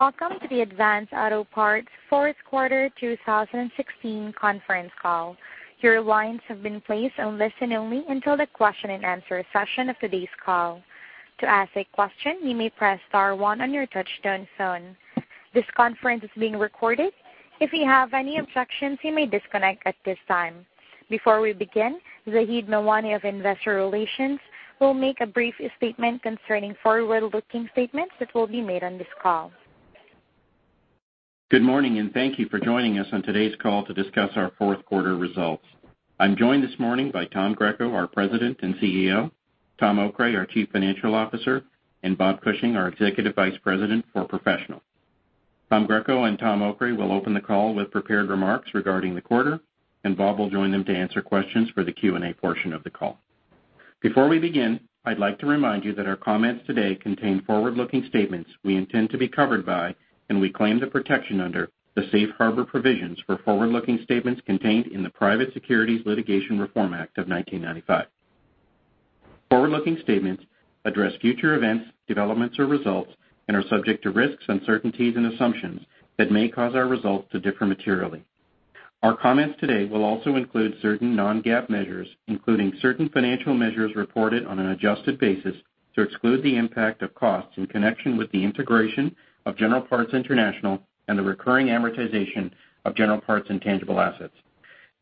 Welcome to the Advance Auto Parts fourth quarter 2016 conference call. Your lines have been placed on listen only until the question and answer session of today's call. To ask a question, you may press star one on your touch-tone phone. This conference is being recorded. If you have any objections, you may disconnect at this time. Before we begin, Zaheed Mawani of Investor Relations will make a brief statement concerning forward-looking statements that will be made on this call. Good morning. Thank you for joining us on today's call to discuss our fourth quarter results. I'm joined this morning by Tom Greco, our President and CEO, Tom Okray, our Chief Financial Officer, and Robert Cushing, our Executive Vice President for Professional. Tom Greco and Tom Okray will open the call with prepared remarks regarding the quarter, and Bob will join them to answer questions for the Q&A portion of the call. Before we begin, I'd like to remind you that our comments today contain forward-looking statements we intend to be covered by, and we claim the protection under, the safe harbor provisions for forward-looking statements contained in the Private Securities Litigation Reform Act of 1995. Forward-looking statements address future events, developments or results and are subject to risks, uncertainties and assumptions that may cause our results to differ materially. Our comments today will also include certain non-GAAP measures, including certain financial measures reported on an adjusted basis to exclude the impact of costs in connection with the integration of General Parts International and the recurring amortization of General Parts' intangible assets.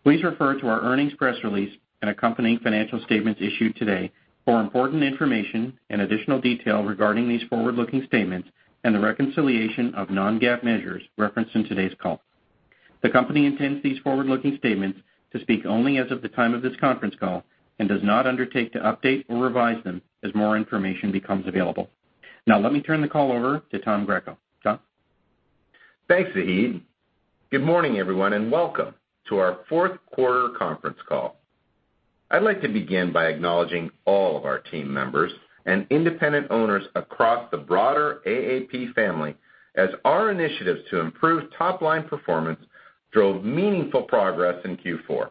Please refer to our earnings press release and accompanying financial statements issued today for important information and additional detail regarding these forward-looking statements and the reconciliation of non-GAAP measures referenced in today's call. The company intends these forward-looking statements to speak only as of the time of this conference call and does not undertake to update or revise them as more information becomes available. Let me turn the call over to Tom Greco. Tom? Thanks, Zaheed. Good morning, everyone. Welcome to our fourth quarter conference call. I'd like to begin by acknowledging all of our team members and independent owners across the broader AAP family as our initiatives to improve top-line performance drove meaningful progress in Q4.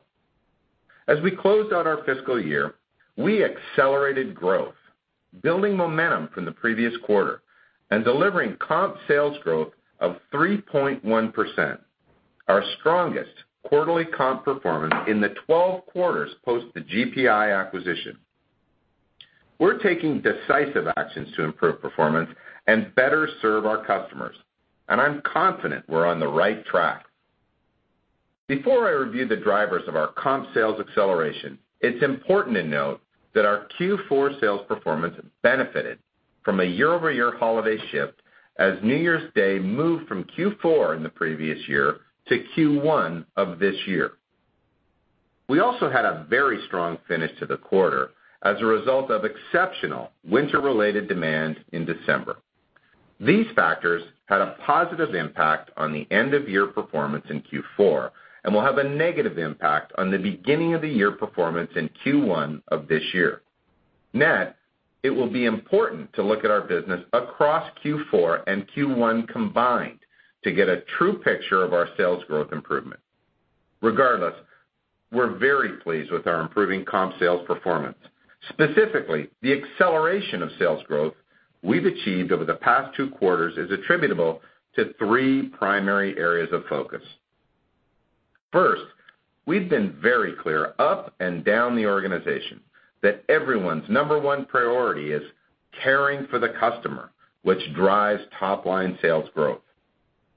As we closed out our fiscal year, we accelerated growth, building momentum from the previous quarter and delivering comp sales growth of 3.1%, our strongest quarterly comp performance in the 12 quarters post the GPI acquisition. We're taking decisive actions to improve performance and better serve our customers. I'm confident we're on the right track. Before I review the drivers of our comp sales acceleration, it's important to note that our Q4 sales performance benefited from a year-over-year holiday shift as New Year's Day moved from Q4 in the previous year to Q1 of this year. We also had a very strong finish to the quarter as a result of exceptional winter-related demand in December. These factors had a positive impact on the end-of-year performance in Q4 and will have a negative impact on the beginning-of-the-year performance in Q1 of this year. Net, it will be important to look at our business across Q4 and Q1 combined to get a true picture of our sales growth improvement. Regardless, we're very pleased with our improving comp sales performance. Specifically, the acceleration of sales growth we've achieved over the past two quarters is attributable to three primary areas of focus. First, we've been very clear up and down the organization that everyone's number 1 priority is caring for the customer, which drives top-line sales growth.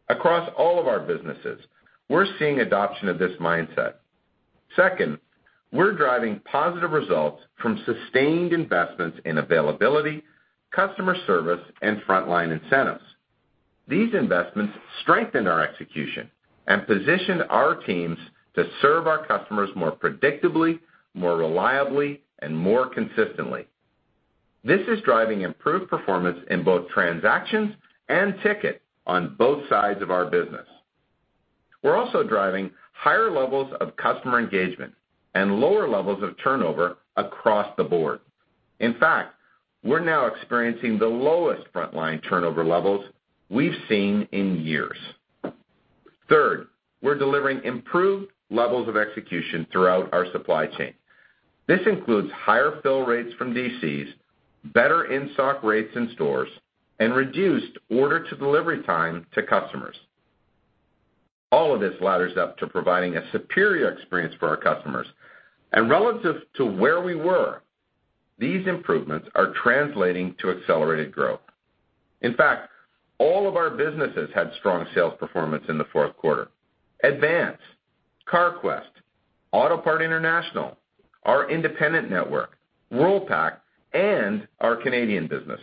Across all of our businesses, we're seeing adoption of this mindset. Second, we're driving positive results from sustained investments in availability, customer service, and frontline incentives. These investments strengthen our execution and position our teams to serve our customers more predictably, more reliably, and more consistently. This is driving improved performance in both transactions and ticket on both sides of our business. We're also driving higher levels of customer engagement and lower levels of turnover across the board. In fact, we're now experiencing the lowest frontline turnover levels we've seen in years. Third, we're delivering improved levels of execution throughout our supply chain. This includes higher fill rates from DCs, better in-stock rates in stores, and reduced order-to-delivery time to customers. All of this ladders up to providing a superior experience for our customers. Relative to where we were, these improvements are translating to accelerated growth. In fact, all of our businesses had strong sales performance in the fourth quarter. Advance, Carquest, Autopart International, our independent network, Worldpac, and our Canadian business.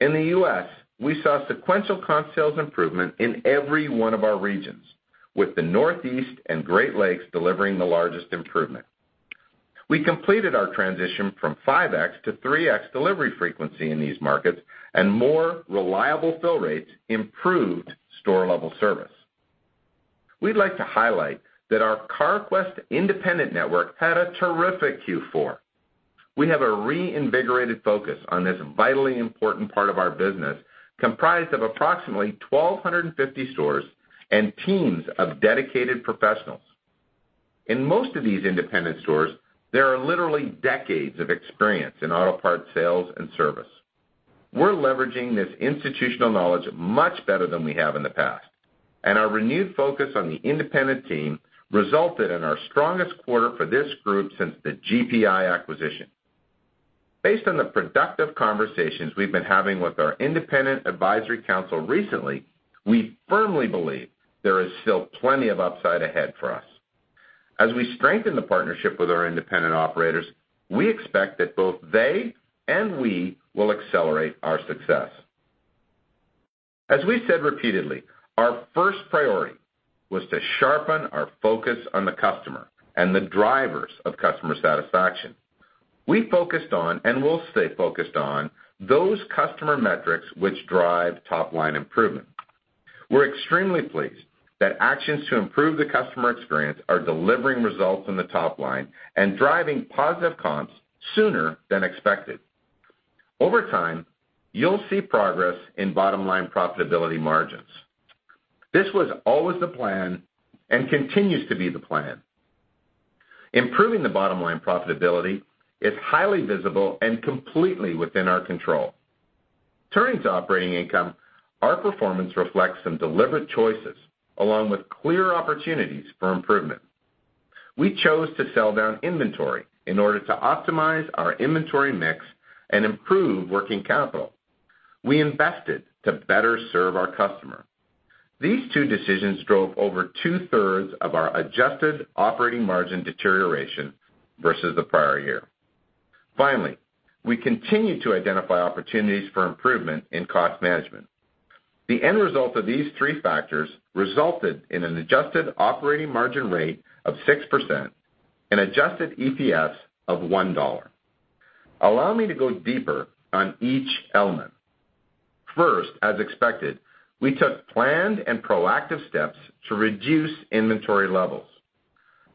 In the U.S., we saw sequential comp sales improvement in every one of our regions, with the Northeast and Great Lakes delivering the largest improvement. We completed our transition from 5X to 3X delivery frequency in these markets and more reliable fill rates improved store-level service. We'd like to highlight that our Carquest independent network had a terrific Q4. We have a reinvigorated focus on this vitally important part of our business, comprised of approximately 1,250 stores and teams of dedicated professionals. In most of these independent stores, there are literally decades of experience in auto parts sales and service. We're leveraging this institutional knowledge much better than we have in the past, and our renewed focus on the independent team resulted in our strongest quarter for this group since the GPI acquisition. Based on the productive conversations we've been having with our independent advisory council recently, we firmly believe there is still plenty of upside ahead for us. As we strengthen the partnership with our independent operators, we expect that both they and we will accelerate our success. As we said repeatedly, our first priority was to sharpen our focus on the customer and the drivers of customer satisfaction. We focused on, and will stay focused on those customer metrics which drive top-line improvement. We're extremely pleased that actions to improve the customer experience are delivering results in the top line and driving positive comps sooner than expected. Over time, you'll see progress in bottom-line profitability margins. This was always the plan and continues to be the plan. Improving the bottom-line profitability is highly visible and completely within our control. Turning to operating income, our performance reflects some deliberate choices along with clear opportunities for improvement. We chose to sell down inventory in order to optimize our inventory mix and improve working capital. We invested to better serve our customer. These two decisions drove over two-thirds of our adjusted operating margin deterioration versus the prior year. Finally, we continue to identify opportunities for improvement in cost management. The end result of these three factors resulted in an adjusted operating margin rate of 6% and adjusted EPS of $1. Allow me to go deeper on each element. First, as expected, we took planned and proactive steps to reduce inventory levels.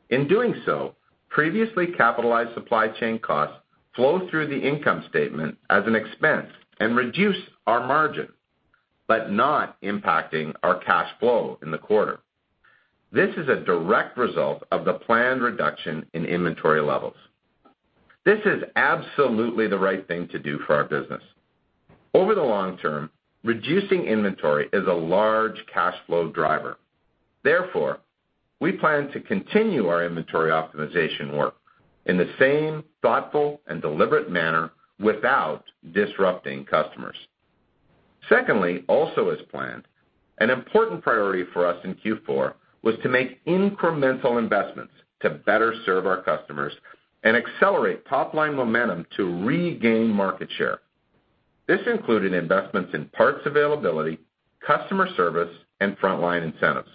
In doing so, previously capitalized supply chain costs flow through the income statement as an expense and reduce our margin, but not impacting our cash flow in the quarter. This is a direct result of the planned reduction in inventory levels. This is absolutely the right thing to do for our business. Over the long term, reducing inventory is a large cash flow driver. Therefore, we plan to continue our inventory optimization work in the same thoughtful and deliberate manner without disrupting customers. Secondly, also as planned, an important priority for us in Q4 was to make incremental investments to better serve our customers and accelerate top-line momentum to regain market share. This included investments in parts availability, customer service, and frontline incentives.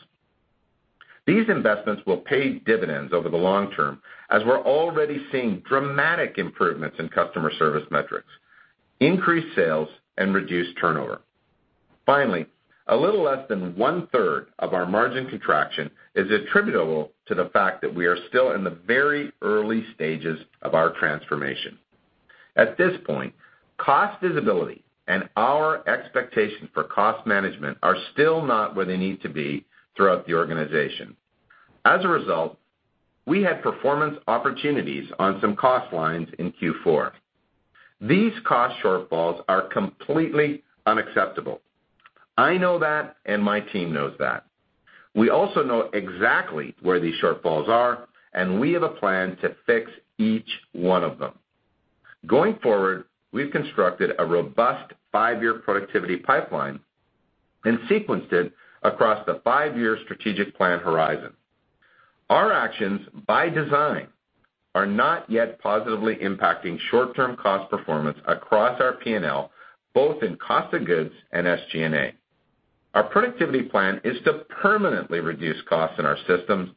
These investments will pay dividends over the long term as we're already seeing dramatic improvements in customer service metrics, increased sales, and reduced turnover. Finally, a little less than one-third of our margin contraction is attributable to the fact that we are still in the very early stages of our transformation. At this point, cost visibility and our expectations for cost management are still not where they need to be throughout the organization. As a result, we had performance opportunities on some cost lines in Q4. These cost shortfalls are completely unacceptable. I know that, and my team knows that. We also know exactly where these shortfalls are, and we have a plan to fix each one of them. Going forward, we've constructed a robust five-year productivity pipeline and sequenced it across the five-year strategic plan horizon. Our actions, by design, are not yet positively impacting short-term cost performance across our P&L, both in cost of goods and SG&A. Our productivity plan is to permanently reduce costs in our systems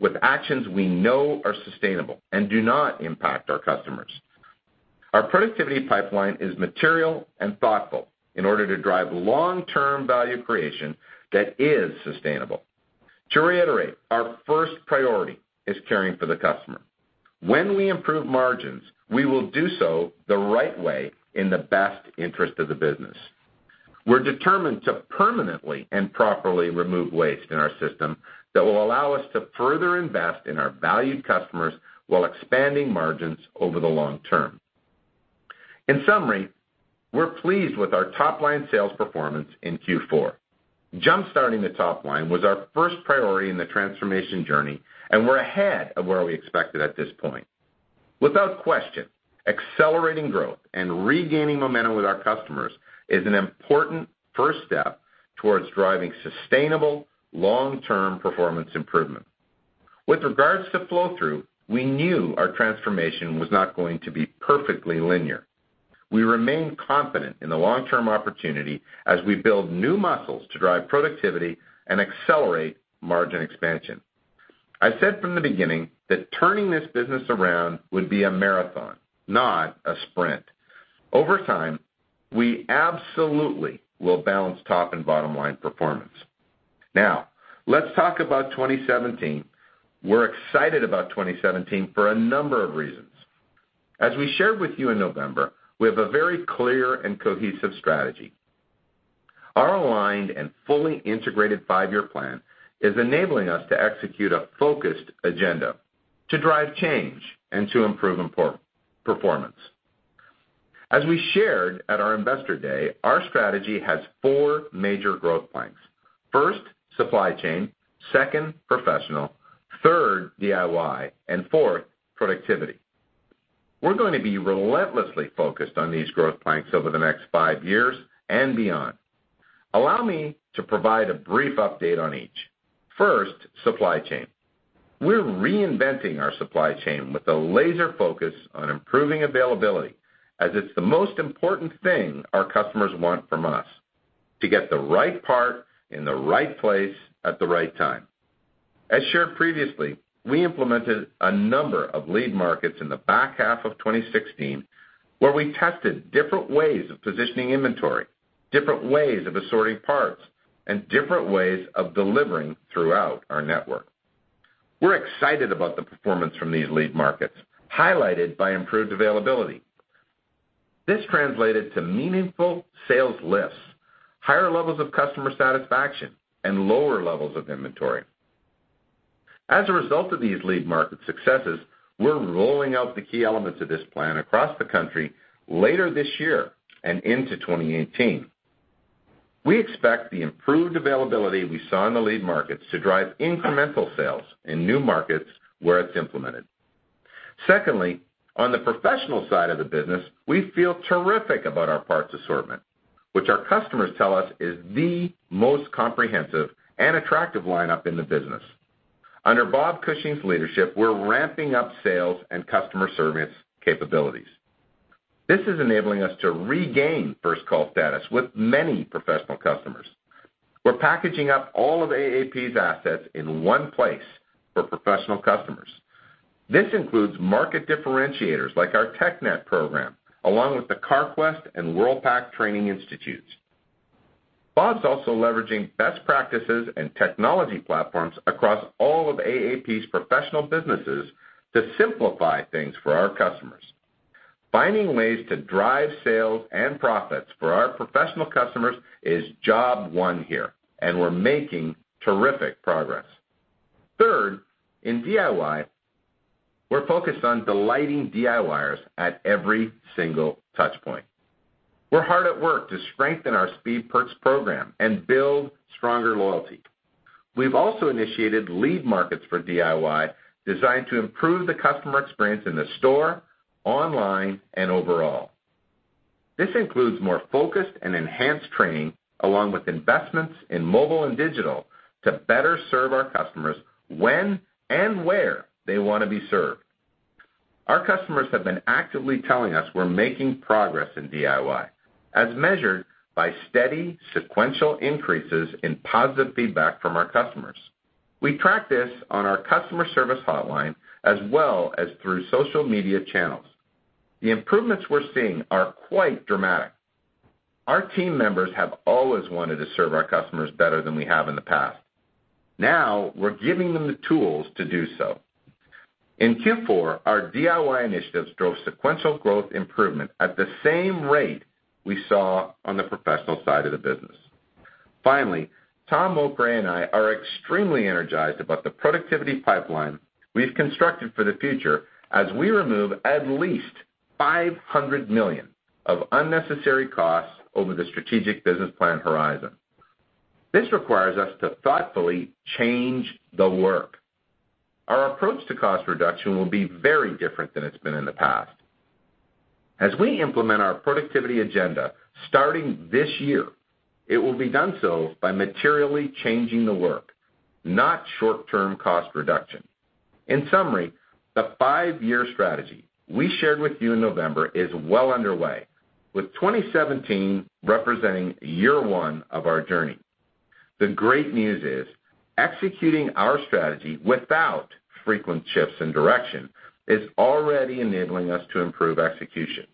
with actions we know are sustainable and do not impact our customers. Our productivity pipeline is material and thoughtful in order to drive long-term value creation that is sustainable. To reiterate, our first priority is caring for the customer. When we improve margins, we will do so the right way in the best interest of the business. We're determined to permanently and properly remove waste in our system that will allow us to further invest in our valued customers while expanding margins over the long term. In summary, we're pleased with our top-line sales performance in Q4. Jump-starting the top line was our first priority in the transformation journey, and we're ahead of where we expected at this point. Without question, accelerating growth and regaining momentum with our customers is an important first step towards driving sustainable long-term performance improvement. With regards to flow-through, we knew our transformation was not going to be perfectly linear. We remain confident in the long-term opportunity as we build new muscles to drive productivity and accelerate margin expansion. I said from the beginning that turning this business around would be a marathon, not a sprint. Over time, we absolutely will balance top and bottom-line performance. Let's talk about 2017. We're excited about 2017 for a number of reasons. As we shared with you in November, we have a very clear and cohesive strategy. Our aligned and fully integrated five-year plan is enabling us to execute a focused agenda, to drive change and to improve performance. As we shared at our investor day, our strategy has four major growth planks. First, supply chain, second, professional, third, DIY, and fourth, productivity. We're going to be relentlessly focused on these growth planks over the next five years and beyond. Allow me to provide a brief update on each. First, supply chain. We're reinventing our supply chain with a laser focus on improving availability, as it's the most important thing our customers want from us, to get the right part in the right place at the right time. As shared previously, we implemented a number of lead markets in the back half of 2016, where we tested different ways of positioning inventory, different ways of assorting parts, and different ways of delivering throughout our network. We're excited about the performance from these lead markets, highlighted by improved availability. This translated to meaningful sales lifts, higher levels of customer satisfaction, and lower levels of inventory. As a result of these lead market successes, we're rolling out the key elements of this plan across the country later this year and into 2018. We expect the improved availability we saw in the lead markets to drive incremental sales in new markets where it's implemented. Secondly, on the professional side of the business, we feel terrific about our parts assortment, which our customers tell us is the most comprehensive and attractive lineup in the business. Under Bob Cushing's leadership, we're ramping up sales and customer service capabilities. This is enabling us to regain first-call status with many professional customers. We're packaging up all of AAP's assets in one place for professional customers. This includes market differentiators like our TechNet program, along with the Carquest and Worldpac Training Institutes. Bob's also leveraging best practices and technology platforms across all of AAP's professional businesses to simplify things for our customers. Finding ways to drive sales and profits for our professional customers is job one here, and we're making terrific progress. Third, in DIY, we're focused on delighting DIYers at every single touch point. We're hard at work to strengthen our Speed Perks program and build stronger loyalty. We've also initiated lead markets for DIY designed to improve the customer experience in the store, online, and overall. This includes more focused and enhanced training, along with investments in mobile and digital to better serve our customers when and where they want to be served. Our customers have been actively telling us we're making progress in DIY, as measured by steady sequential increases in positive feedback from our customers. We track this on our customer service hotline, as well as through social media channels. The improvements we're seeing are quite dramatic. Our team members have always wanted to serve our customers better than we have in the past. Now we're giving them the tools to do so. In Q4, our DIY initiatives drove sequential growth improvement at the same rate we saw on the professional side of the business. Finally, Tom Okray and I are extremely energized about the productivity pipeline we've constructed for the future as we remove at least $500 million of unnecessary costs over the strategic business plan horizon. This requires us to thoughtfully change the work. Our approach to cost reduction will be very different than it's been in the past. As we implement our productivity agenda starting this year, it will be done so by materially changing the work, not short-term cost reduction. In summary, the five-year strategy we shared with you in November is well underway, with 2017 representing year one of our journey. The great news is, executing our strategy without frequent shifts in direction is already enabling us to improve execution.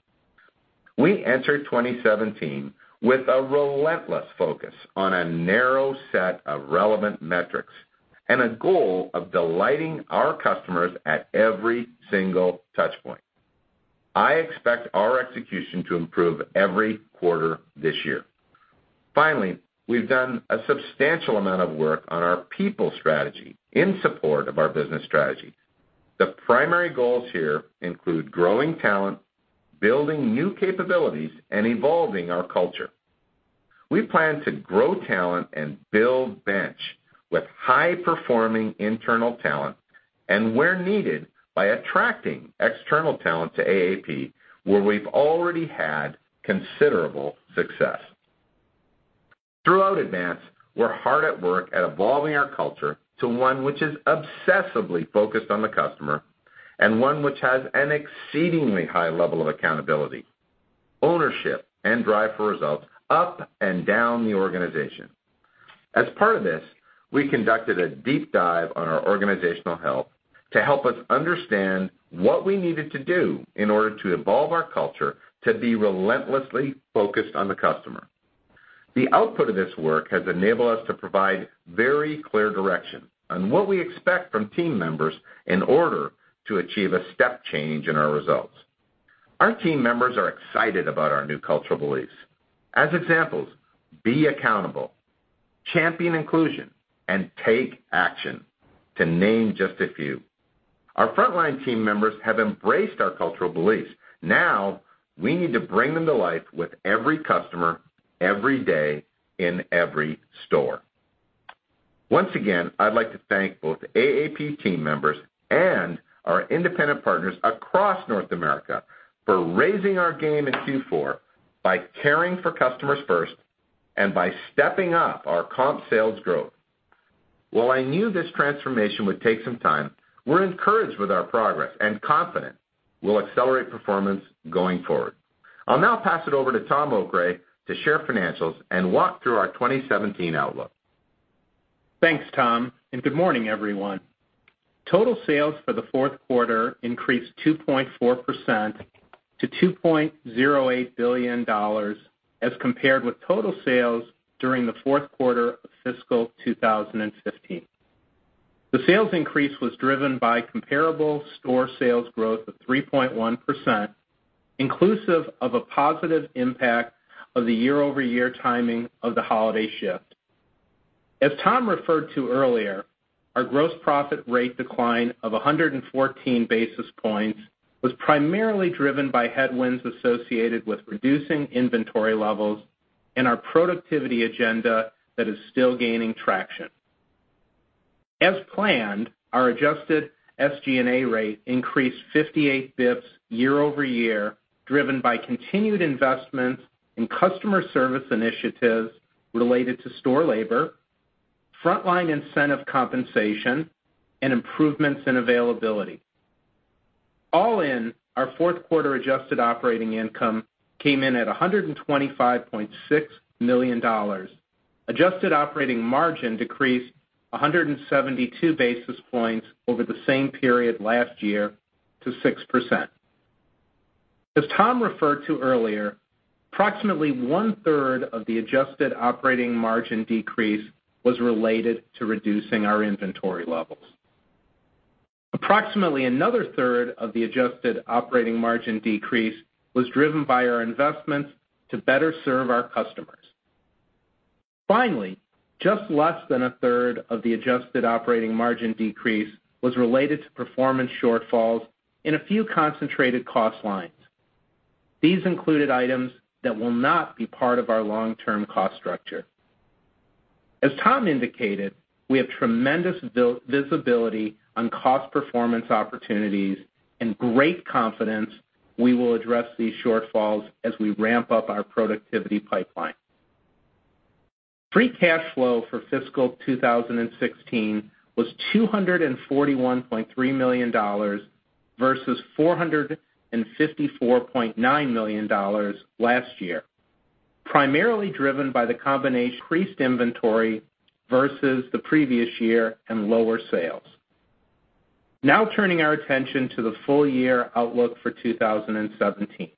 We enter 2017 with a relentless focus on a narrow set of relevant metrics and a goal of delighting our customers at every single touch point. I expect our execution to improve every quarter this year. Finally, we've done a substantial amount of work on our people strategy in support of our business strategy. The primary goals here include growing talent, building new capabilities, and evolving our culture. We plan to grow talent and build bench with high-performing internal talent, and where needed, by attracting external talent to AAP, where we've already had considerable success. Throughout Advance, we're hard at work at evolving our culture to one which is obsessively focused on the customer, and one which has an exceedingly high level of accountability, ownership, and drive for results up and down the organization. As part of this, we conducted a deep dive on our organizational health to help us understand what we needed to do in order to evolve our culture to be relentlessly focused on the customer. The output of this work has enabled us to provide very clear direction on what we expect from team members in order to achieve a step change in our results. Our team members are excited about our new cultural beliefs. As examples, be accountable, champion inclusion, and take action, to name just a few. Our frontline team members have embraced our cultural beliefs. Now we need to bring them to life with every customer, every day, in every store. Once again, I'd like to thank both AAP team members and our independent partners across North America for raising our game in Q4 by caring for customers first and by stepping up our comp sales growth. While I knew this transformation would take some time, we're encouraged with our progress and confident we'll accelerate performance going forward. I'll now pass it over to Tom Okray to share financials and walk through our 2017 outlook. Thanks, Tom. Good morning, everyone. Total sales for the fourth quarter increased 2.4% to $2.08 billion as compared with total sales during the fourth quarter of fiscal 2015. The sales increase was driven by comparable store sales growth of 3.1%, inclusive of a positive impact of the year-over-year timing of the holiday shift. As Tom referred to earlier, our gross profit rate decline of 114 basis points was primarily driven by headwinds associated with reducing inventory levels and our productivity agenda that is still gaining traction. As planned, our adjusted SG&A rate increased 58 basis points year-over-year, driven by continued investments in customer service initiatives related to store labor, frontline incentive compensation, and improvements in availability. All in, our fourth quarter adjusted operating income came in at $125.6 million. Adjusted operating margin decreased 172 basis points over the same period last year to 6%. As Tom referred to earlier, approximately one-third of the adjusted operating margin decrease was related to reducing our inventory levels. Approximately another third of the adjusted operating margin decrease was driven by our investments to better serve our customers. Finally, just less than a third of the adjusted operating margin decrease was related to performance shortfalls in a few concentrated cost lines. These included items that will not be part of our long-term cost structure. As Tom indicated, we have tremendous visibility on cost performance opportunities and great confidence we will address these shortfalls as we ramp up our productivity pipeline. Free cash flow for fiscal 2016 was $241.3 million versus $454.9 million last year, primarily driven by the combination increased inventory versus the previous year and lower sales. Turning our attention to the full-year outlook for 2017.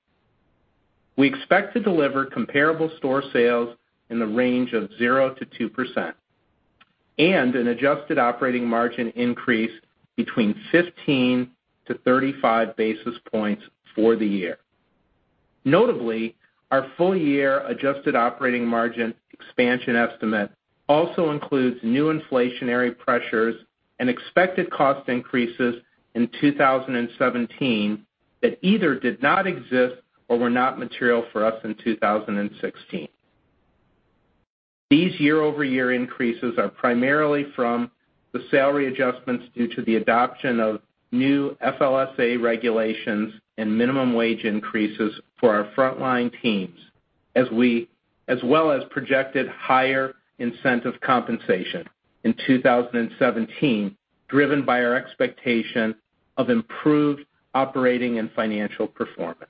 We expect to deliver comparable store sales in the range of zero to 2% and an adjusted operating margin increase between 15 and 35 basis points for the year. Notably, our full-year adjusted operating margin expansion estimate also includes new inflationary pressures and expected cost increases in 2017 that either did not exist or were not material for us in 2016. These year-over-year increases are primarily from the salary adjustments due to the adoption of new FLSA regulations and minimum wage increases for our frontline teams, as well as projected higher incentive compensation in 2017, driven by our expectation of improved operating and financial performance.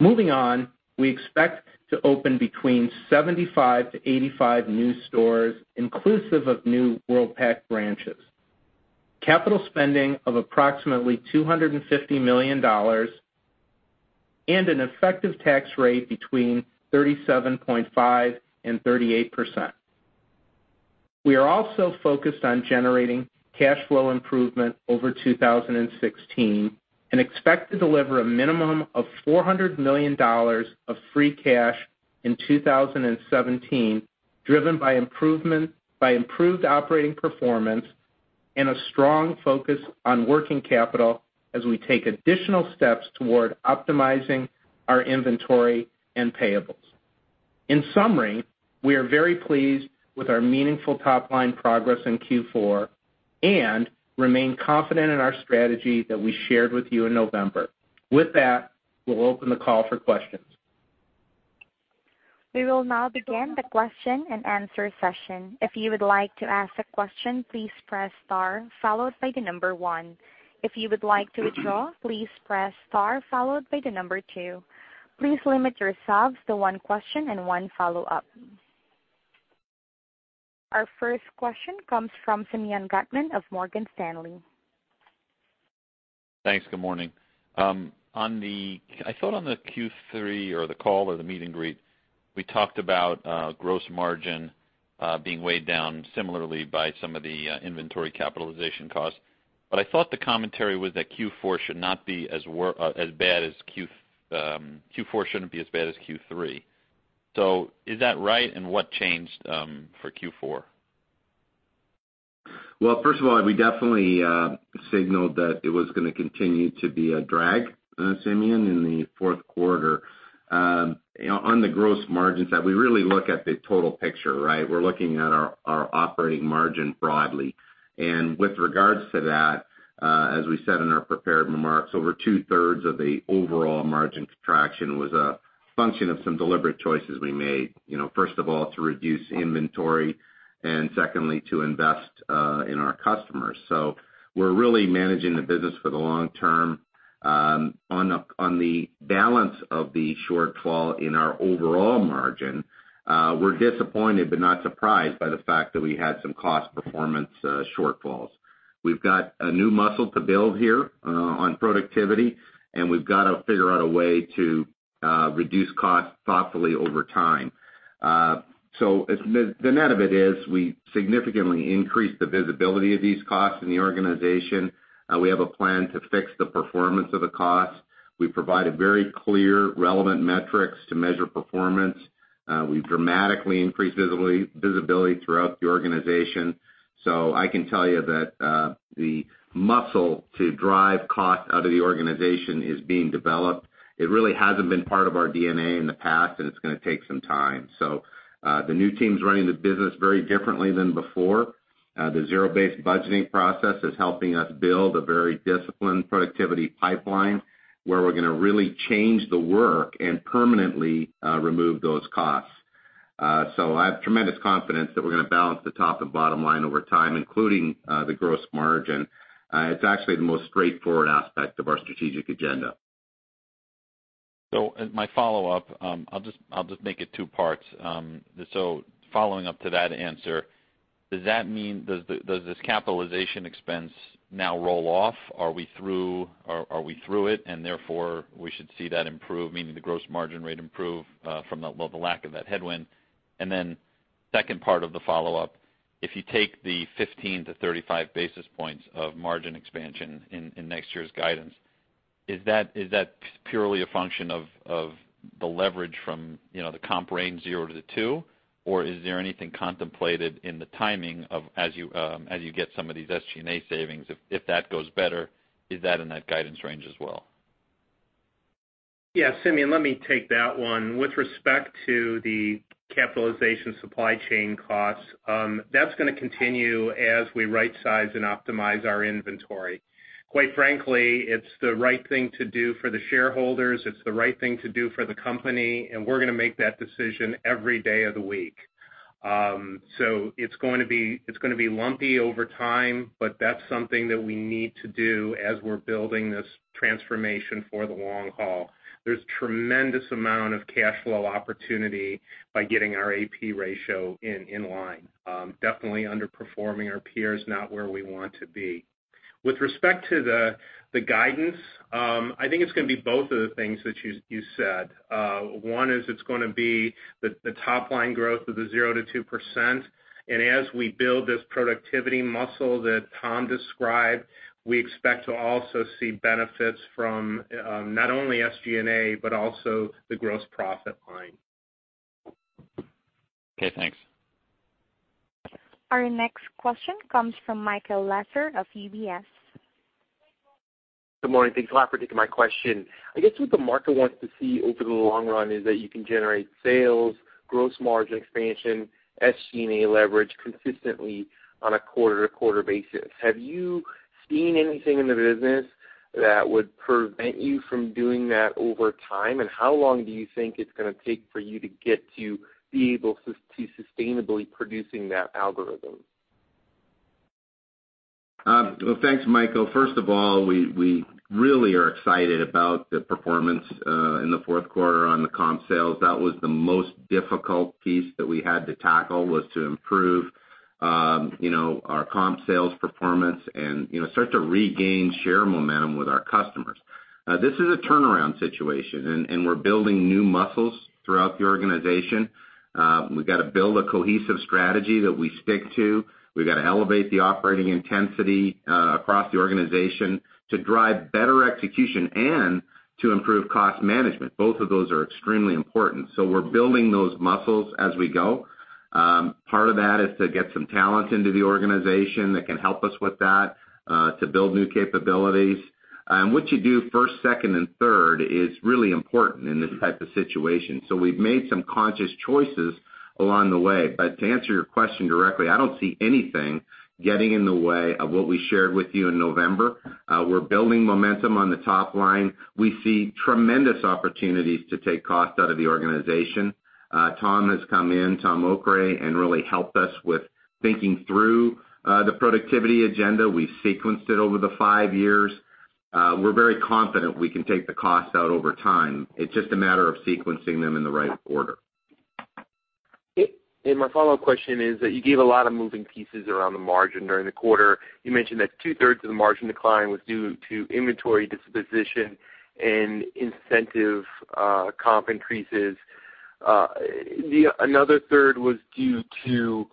Moving on, we expect to open between 75-85 new stores inclusive of new Worldpac branches, capital spending of approximately $250 million, and an effective tax rate between 37.5% and 38%. We are also focused on generating cash flow improvement over 2016 and expect to deliver a minimum of $400 million of free cash in 2017, driven by improved operating performance and a strong focus on working capital as we take additional steps toward optimizing our inventory and payables. In summary, we are very pleased with our meaningful top-line progress in Q4 and remain confident in our strategy that we shared with you in November. With that, we will open the call for questions. We will now begin the question and answer session. If you would like to ask a question, please press star followed by the number one. If you would like to withdraw, please press star followed by the number two. Please limit yourselves to one question and one follow-up. Our first question comes from Simeon Gutman of Morgan Stanley. Thanks. Good morning. I thought on the Q3 or the call or the meet and greet, we talked about gross margin being weighed down similarly by some of the inventory capitalization costs. I thought the commentary was that Q4 shouldn't be as bad as Q3. Is that right? What changed for Q4? Well, first of all, we definitely signaled that it was going to continue to be a drag, Simeon, in the fourth quarter. On the gross margins side, we really look at the total picture, right? We're looking at our operating margin broadly. With regards to that, as we said in our prepared remarks, over two-thirds of the overall margin contraction was a function of some deliberate choices we made. First of all, to reduce inventory, and secondly, to invest in our customers. We're really managing the business for the long term. On the balance of the shortfall in our overall margin, we're disappointed but not surprised by the fact that we had some cost performance shortfalls. We've got a new muscle to build here on productivity, and we've got to figure out a way to reduce costs thoughtfully over time. The net of it is we significantly increased the visibility of these costs in the organization. We have a plan to fix the performance of the costs. We provided very clear, relevant metrics to measure performance. We dramatically increased visibility throughout the organization. I can tell you that the muscle to drive cost out of the organization is being developed. It really hasn't been part of our DNA in the past, and it's going to take some time. The new team's running the business very differently than before. The zero-based budgeting process is helping us build a very disciplined productivity pipeline where we're going to really change the work and permanently remove those costs. I have tremendous confidence that we're going to balance the top and bottom line over time, including the gross margin. It's actually the most straightforward aspect of our strategic agenda. My follow-up, I'll just make it two parts. Following up to that answer, does this capitalization expense now roll off? Are we through it, and therefore we should see that improve, meaning the gross margin rate improve from the lack of that headwind? Second part of the follow-up, if you take the 15-35 basis points of margin expansion in next year's guidance, is that purely a function of the leverage from the comp range 0-2%? Or is there anything contemplated in the timing as you get some of these SG&A savings? If that goes better, is that in that guidance range as well? Simeon, let me take that one. With respect to the capitalization supply chain costs, that's going to continue as we rightsize and optimize our inventory. Quite frankly, it's the right thing to do for the shareholders. It's the right thing to do for the company, and we're going to make that decision every day of the week. It's going to be lumpy over time, but that's something that we need to do as we're building this transformation for the long haul. There's tremendous amount of cash flow opportunity by getting our AP ratio in line. Definitely underperforming our peers, not where we want to be. With respect to the guidance, I think it's going to be both of the things that you said. One is it's going to be the top-line growth of the 0-2%. As we build this productivity muscle that Tom described, we expect to also see benefits from not only SG&A, but also the gross profit line. Okay, thanks. Our next question comes from Michael Lasser of UBS. Good morning. Thanks a lot for taking my question. I guess what the market wants to see over the long run is that you can generate sales, gross margin expansion, SG&A leverage consistently on a quarter-to-quarter basis. Have you seen anything in the business that would prevent you from doing that over time? How long do you think it's going to take for you to get to be able to sustainably producing that algorithm? Well, thanks, Michael. First of all, we really are excited about the performance in the fourth quarter on the comp sales. That was the most difficult piece that we had to tackle, was to improve our comp sales performance and start to regain share momentum with our customers. This is a turnaround situation, we're building new muscles throughout the organization. We've got to build a cohesive strategy that we stick to. We've got to elevate the operating intensity across the organization to drive better execution and to improve cost management. Both of those are extremely important. We're building those muscles as we go. Part of that is to get some talent into the organization that can help us with that, to build new capabilities. What you do first, second, and third is really important in this type of situation. We've made some conscious choices along the way. To answer your question directly, I don't see anything getting in the way of what we shared with you in November. We're building momentum on the top line. We see tremendous opportunities to take cost out of the organization. Tom has come in, Tom Okray, really helped us with thinking through the productivity agenda. We've sequenced it over the five years. We're very confident we can take the cost out over time. It's just a matter of sequencing them in the right order. My follow-up question is that you gave a lot of moving pieces around the margin during the quarter. You mentioned that two-thirds of the margin decline was due to inventory disposition and incentive comp increases. Another third was due to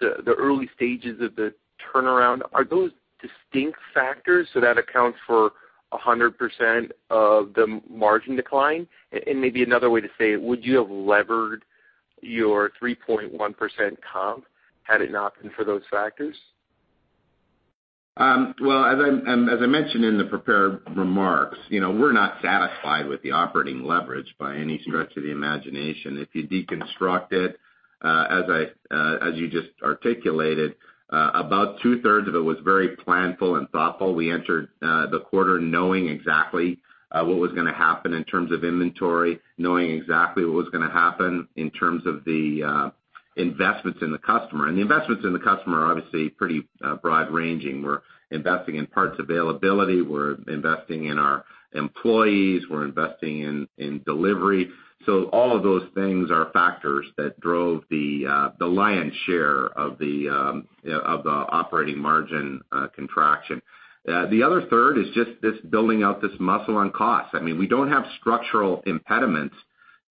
the early stages of the turnaround. Are those distinct factors so that accounts for 100% of the margin decline? Maybe another way to say it, would you have levered your 3.1% comp had it not been for those factors? Well, as I mentioned in the prepared remarks, we're not satisfied with the operating leverage by any stretch of the imagination. If you deconstruct it, as you just articulated, about two-thirds of it was very planful and thoughtful. We entered the quarter knowing exactly what was going to happen in terms of inventory, knowing exactly what was going to happen in terms of the investments in the customer. The investments in the customer are obviously pretty broad-ranging. We're investing in parts availability. We're investing in our employees. We're investing in delivery. All of those things are factors that drove the lion's share of the operating margin contraction. The other third is just this building out this muscle on cost. We don't have structural impediments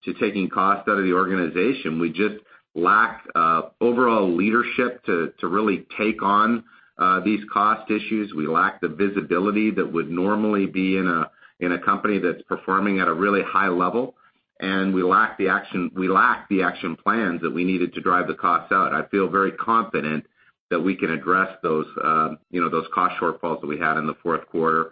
to taking cost out of the organization. We just lack overall leadership to really take on these cost issues. We lack the visibility that would normally be in a company that's performing at a really high level, and we lack the action plans that we needed to drive the costs out. I feel very confident that we can address those cost shortfalls that we had in the fourth quarter.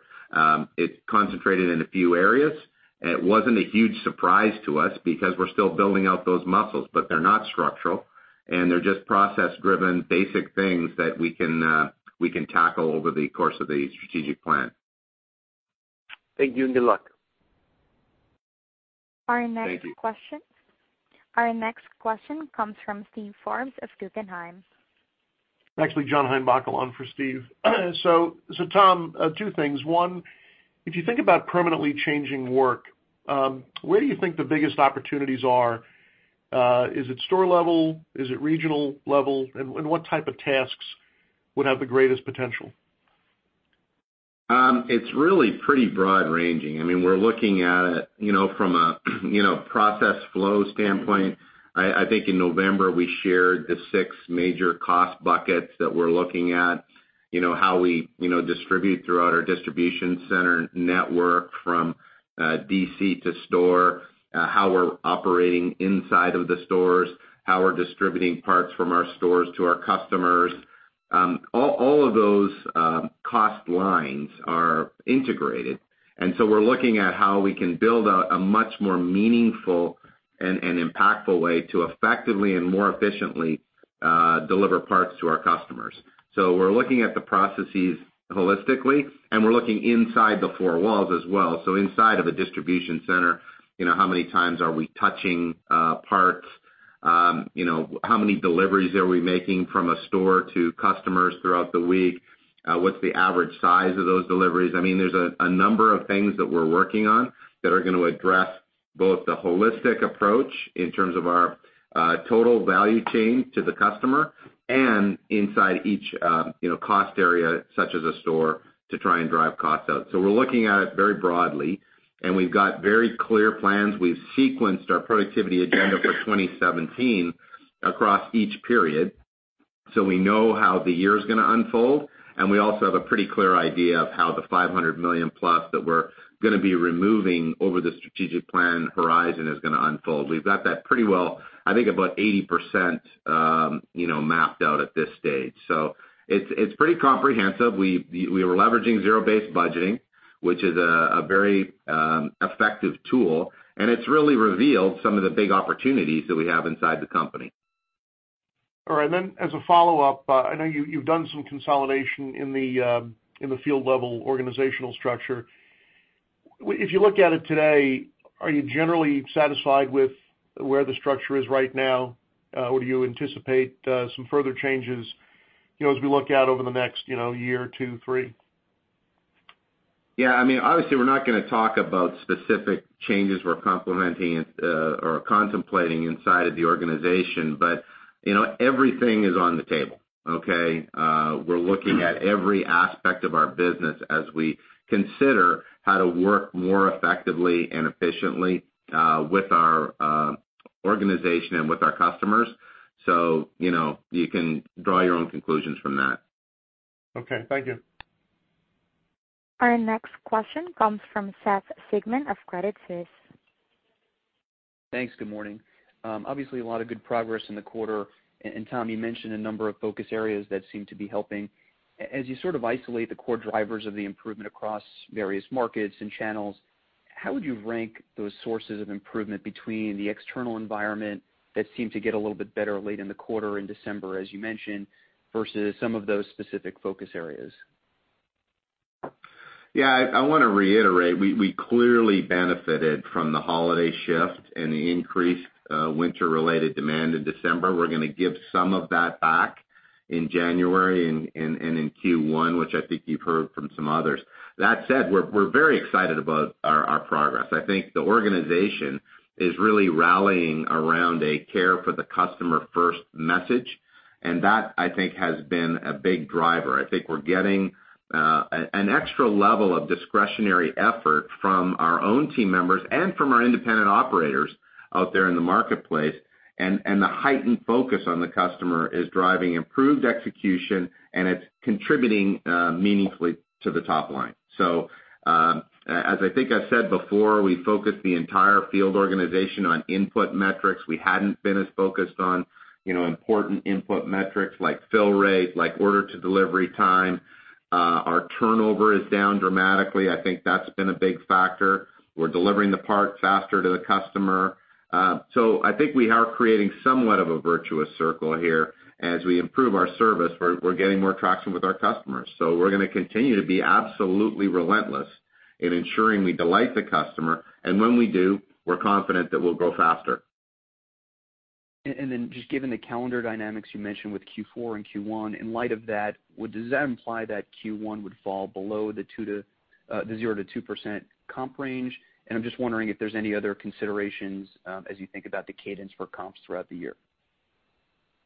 It concentrated in a few areas. It wasn't a huge surprise to us because we're still building out those muscles, but they're not structural, and they're just process-driven, basic things that we can tackle over the course of the strategic plan. Thank you, and good luck. Our next question. Thank you. Our next question comes from Steven Forbes of Guggenheim. Actually, John Heinbockel on for Steve. Tom, two things. One, if you think about permanently changing work, where do you think the biggest opportunities are? Is it store level? Is it regional level? What type of tasks would have the greatest potential? It's really pretty broad-ranging. We're looking at it from a process flow standpoint. I think in November we shared the six major cost buckets that we're looking at, how we distribute throughout our distribution center network from DC to store, how we're operating inside of the stores, how we're distributing parts from our stores to our customers. All of those cost lines are integrated, we're looking at how we can build out a much more meaningful and impactful way to effectively and more efficiently deliver parts to our customers. We're looking at the processes holistically, we're looking inside the four walls as well. Inside of a distribution center, how many times are we touching parts? How many deliveries are we making from a store to customers throughout the week? What's the average size of those deliveries? There's a number of things that we're working on that are going to address both the holistic approach in terms of our total value chain to the customer and inside each cost area, such as a store, to try and drive costs out. We're looking at it very broadly, we've got very clear plans. We've sequenced our productivity agenda for 2017 across each period, we know how the year's going to unfold, we also have a pretty clear idea of how the $500 million-plus that we're going to be removing over the strategic plan horizon is going to unfold. We've got that pretty well, I think about 80%, mapped out at this stage. It's pretty comprehensive. We are leveraging zero-based budgeting, which is a very effective tool, it's really revealed some of the big opportunities that we have inside the company. All right, as a follow-up, I know you've done some consolidation in the field level organizational structure. If you look at it today, are you generally satisfied with where the structure is right now? Or do you anticipate some further changes as we look out over the next year, two, three? Yeah. Obviously, we're not going to talk about specific changes we're complementing or contemplating inside of the organization, everything is on the table, okay? We're looking at every aspect of our business as we consider how to work more effectively and efficiently with our organization and with our customers. You can draw your own conclusions from that. Okay. Thank you. Our next question comes from Seth Sigman of Credit Suisse. Thanks. Good morning. Obviously, a lot of good progress in the quarter. Tom, you mentioned a number of focus areas that seem to be helping. As you sort of isolate the core drivers of the improvement across various markets and channels, how would you rank those sources of improvement between the external environment that seemed to get a little bit better late in the quarter in December, as you mentioned, versus some of those specific focus areas? Yeah, I want to reiterate, we clearly benefited from the holiday shift and the increased winter-related demand in December. We're going to give some of that back in January and in Q1, which I think you've heard from some others. That said, we're very excited about our progress. I think the organization is really rallying around a care for the customer-first message, and that, I think, has been a big driver. I think we're getting an extra level of discretionary effort from our own team members and from our independent operators out there in the marketplace. The heightened focus on the customer is driving improved execution, and it's contributing meaningfully to the top line. As I think I said before, we focused the entire field organization on input metrics. We hadn't been as focused on important input metrics like fill rate, like order-to-delivery time. Our turnover is down dramatically. I think that's been a big factor. We're delivering the parts faster to the customer. I think we are creating somewhat of a virtuous circle here. As we improve our service, we're getting more traction with our customers. We're going to continue to be absolutely relentless in ensuring we delight the customer. When we do, we're confident that we'll grow faster. Just given the calendar dynamics you mentioned with Q4 and Q1, in light of that, does that imply that Q1 would fall below the 0%-2% comp range? I'm just wondering if there's any other considerations as you think about the cadence for comps throughout the year.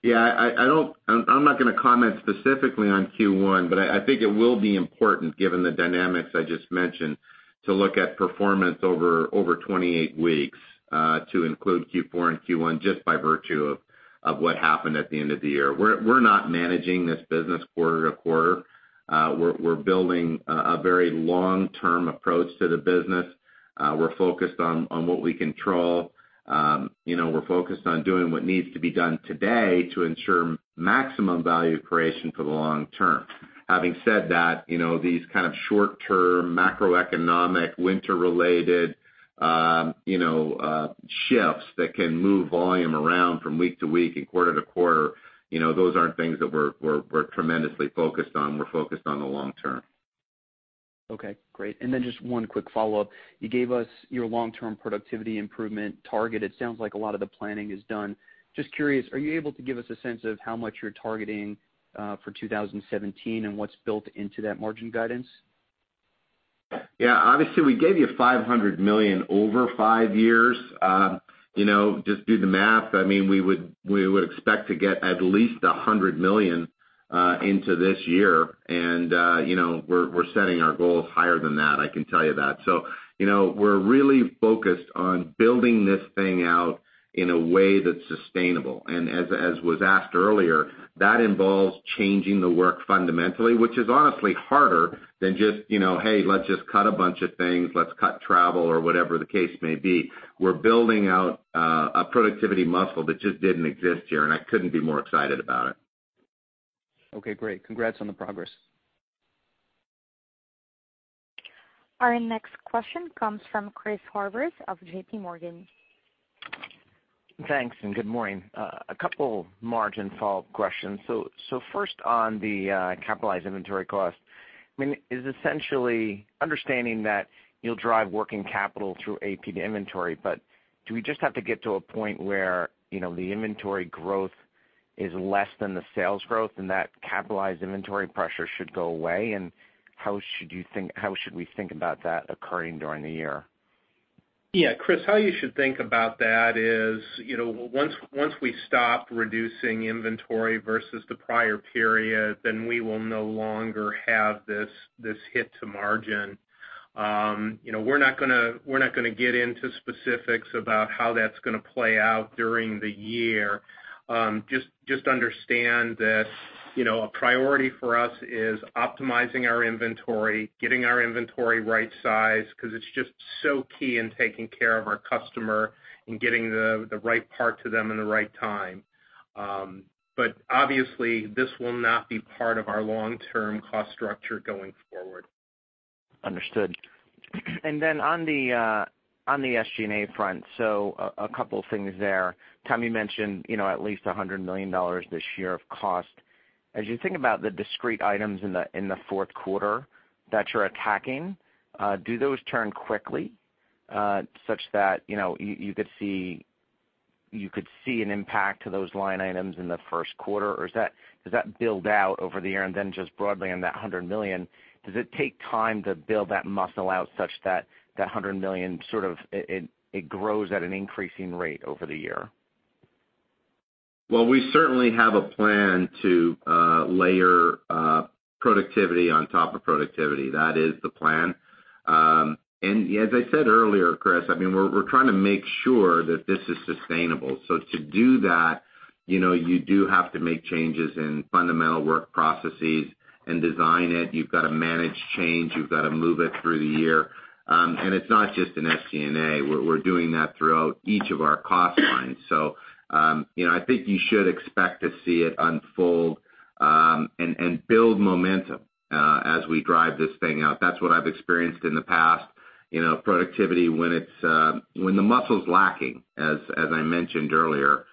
I'm not going to comment specifically on Q1, but I think it will be important, given the dynamics I just mentioned, to look at performance over 28 weeks to include Q4 and Q1, just by virtue of what happened at the end of the year. We're not managing this business quarter to quarter. We're building a very long-term approach to the business. We're focused on what we control. We're focused on doing what needs to be done today to ensure maximum value creation for the long term. Having said that, these kind of short term, macroeconomic, winter related shifts that can move volume around from week to week and quarter to quarter, those aren't things that we're tremendously focused on. We're focused on the long term. Okay, great. Just one quick follow-up. You gave us your long-term productivity improvement target. It sounds like a lot of the planning is done. Just curious, are you able to give us a sense of how much you're targeting for 2017 and what's built into that margin guidance? Yeah, obviously we gave you $500 million over five years. Just do the math. We would expect to get at least $100 million into this year, we're setting our goals higher than that, I can tell you that. We're really focused on building this thing out in a way that's sustainable. As was asked earlier, that involves changing the work fundamentally, which is honestly harder than just, "Hey, let's just cut a bunch of things. Let's cut travel," or whatever the case may be. We're building out a productivity muscle that just didn't exist here, and I couldn't be more excited about it. Okay, great. Congrats on the progress. Our next question comes from Chris Horvers of JPMorgan. Thanks, and good morning. A couple margin follow-up questions. First, on the capitalized inventory cost, is essentially understanding that you'll drive working capital through AP to inventory, but do we just have to get to a point where the inventory growth is less than the sales growth and that capitalized inventory pressure should go away? How should we think about that occurring during the year? Yeah, Chris, how you should think about that is, once we stop reducing inventory versus the prior period, we will no longer have this hit to margin. We're not going to get into specifics about how that's going to play out during the year. Just understand that a priority for us is optimizing our inventory, getting our inventory right sized, because it's just so key in taking care of our customer and getting the right part to them in the right time. Obviously, this will not be part of our long-term cost structure going forward. Understood. On the SG&A front, a couple of things there. Tom, you mentioned at least $100 million this year of cost. As you think about the discrete items in the fourth quarter that you're attacking, do those turn quickly such that you could see an impact to those line items in the first quarter, or does that build out over the year? Just broadly on that $100 million, does it take time to build that muscle out such that $100 million sort of grows at an increasing rate over the year? Well, we certainly have a plan to layer productivity on top of productivity. That is the plan. As I said earlier, Chris, we're trying to make sure that this is sustainable. To do that, you do have to make changes in fundamental work processes and design it. You've got to manage change. You've got to move it through the year. It's not just in SG&A. We're doing that throughout each of our cost lines. I think you should expect to see it unfold and build momentum as we drive this thing out. That's what I've experienced in the past. Productivity, when the muscle's lacking, as I mentioned earlier,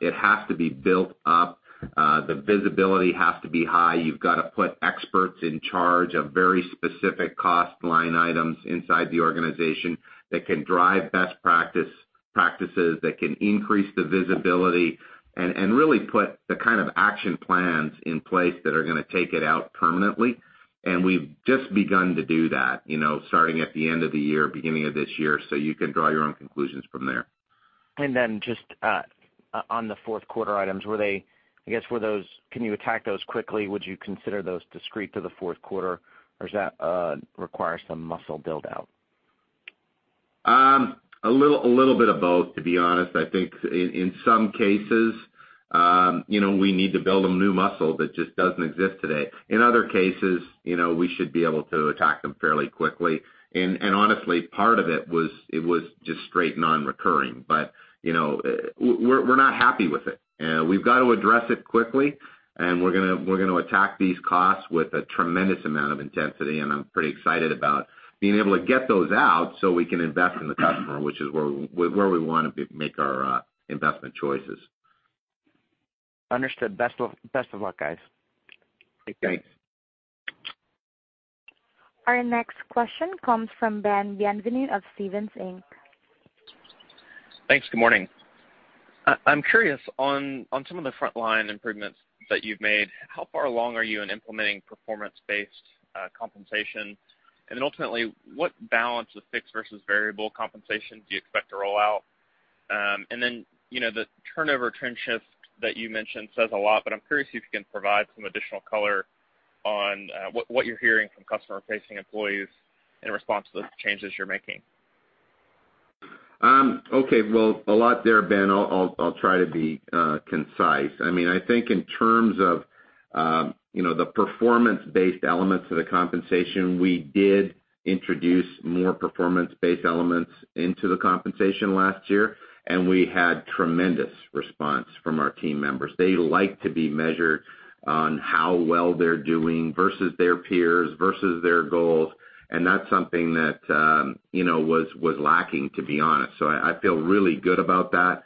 it has to be built up. The visibility has to be high. You've got to put experts in charge of very specific cost line items inside the organization that can drive best practices, that can increase the visibility, and really put the kind of action plans in place that are going to take it out permanently. We've just begun to do that, starting at the end of the year, beginning of this year. You can draw your own conclusions from there. Just on the fourth quarter items, I guess, can you attack those quickly? Would you consider those discrete to the fourth quarter, or does that require some muscle build out? A little bit of both, to be honest. I think in some cases, we need to build a new muscle that just doesn't exist today. In other cases, we should be able to attack them fairly quickly. Honestly, part of it was just straight non-recurring. We're not happy with it. We've got to address it quickly, and we're going to attack these costs with a tremendous amount of intensity. I'm pretty excited about being able to get those out so we can invest in the customer, which is where we want to make our investment choices. Understood. Best of luck, guys. Thanks. Our next question comes from Ben Bienvenu of Stephens Inc. Thanks. Good morning. I'm curious on some of the frontline improvements that you've made, how far along are you in implementing performance-based compensation? Ultimately, what balance of fixed versus variable compensation do you expect to roll out? The turnover trend shift that you mentioned says a lot, but I'm curious if you can provide some additional color on what you're hearing from customer-facing employees in response to the changes you're making. Okay. Well, a lot there, Ben. I'll try to be concise. I think in terms of the performance-based elements of the compensation, we did introduce more performance-based elements into the compensation last year, and we had tremendous response from our team members. They like to be measured on how well they're doing versus their peers, versus their goals, and that's something that was lacking, to be honest. I feel really good about that.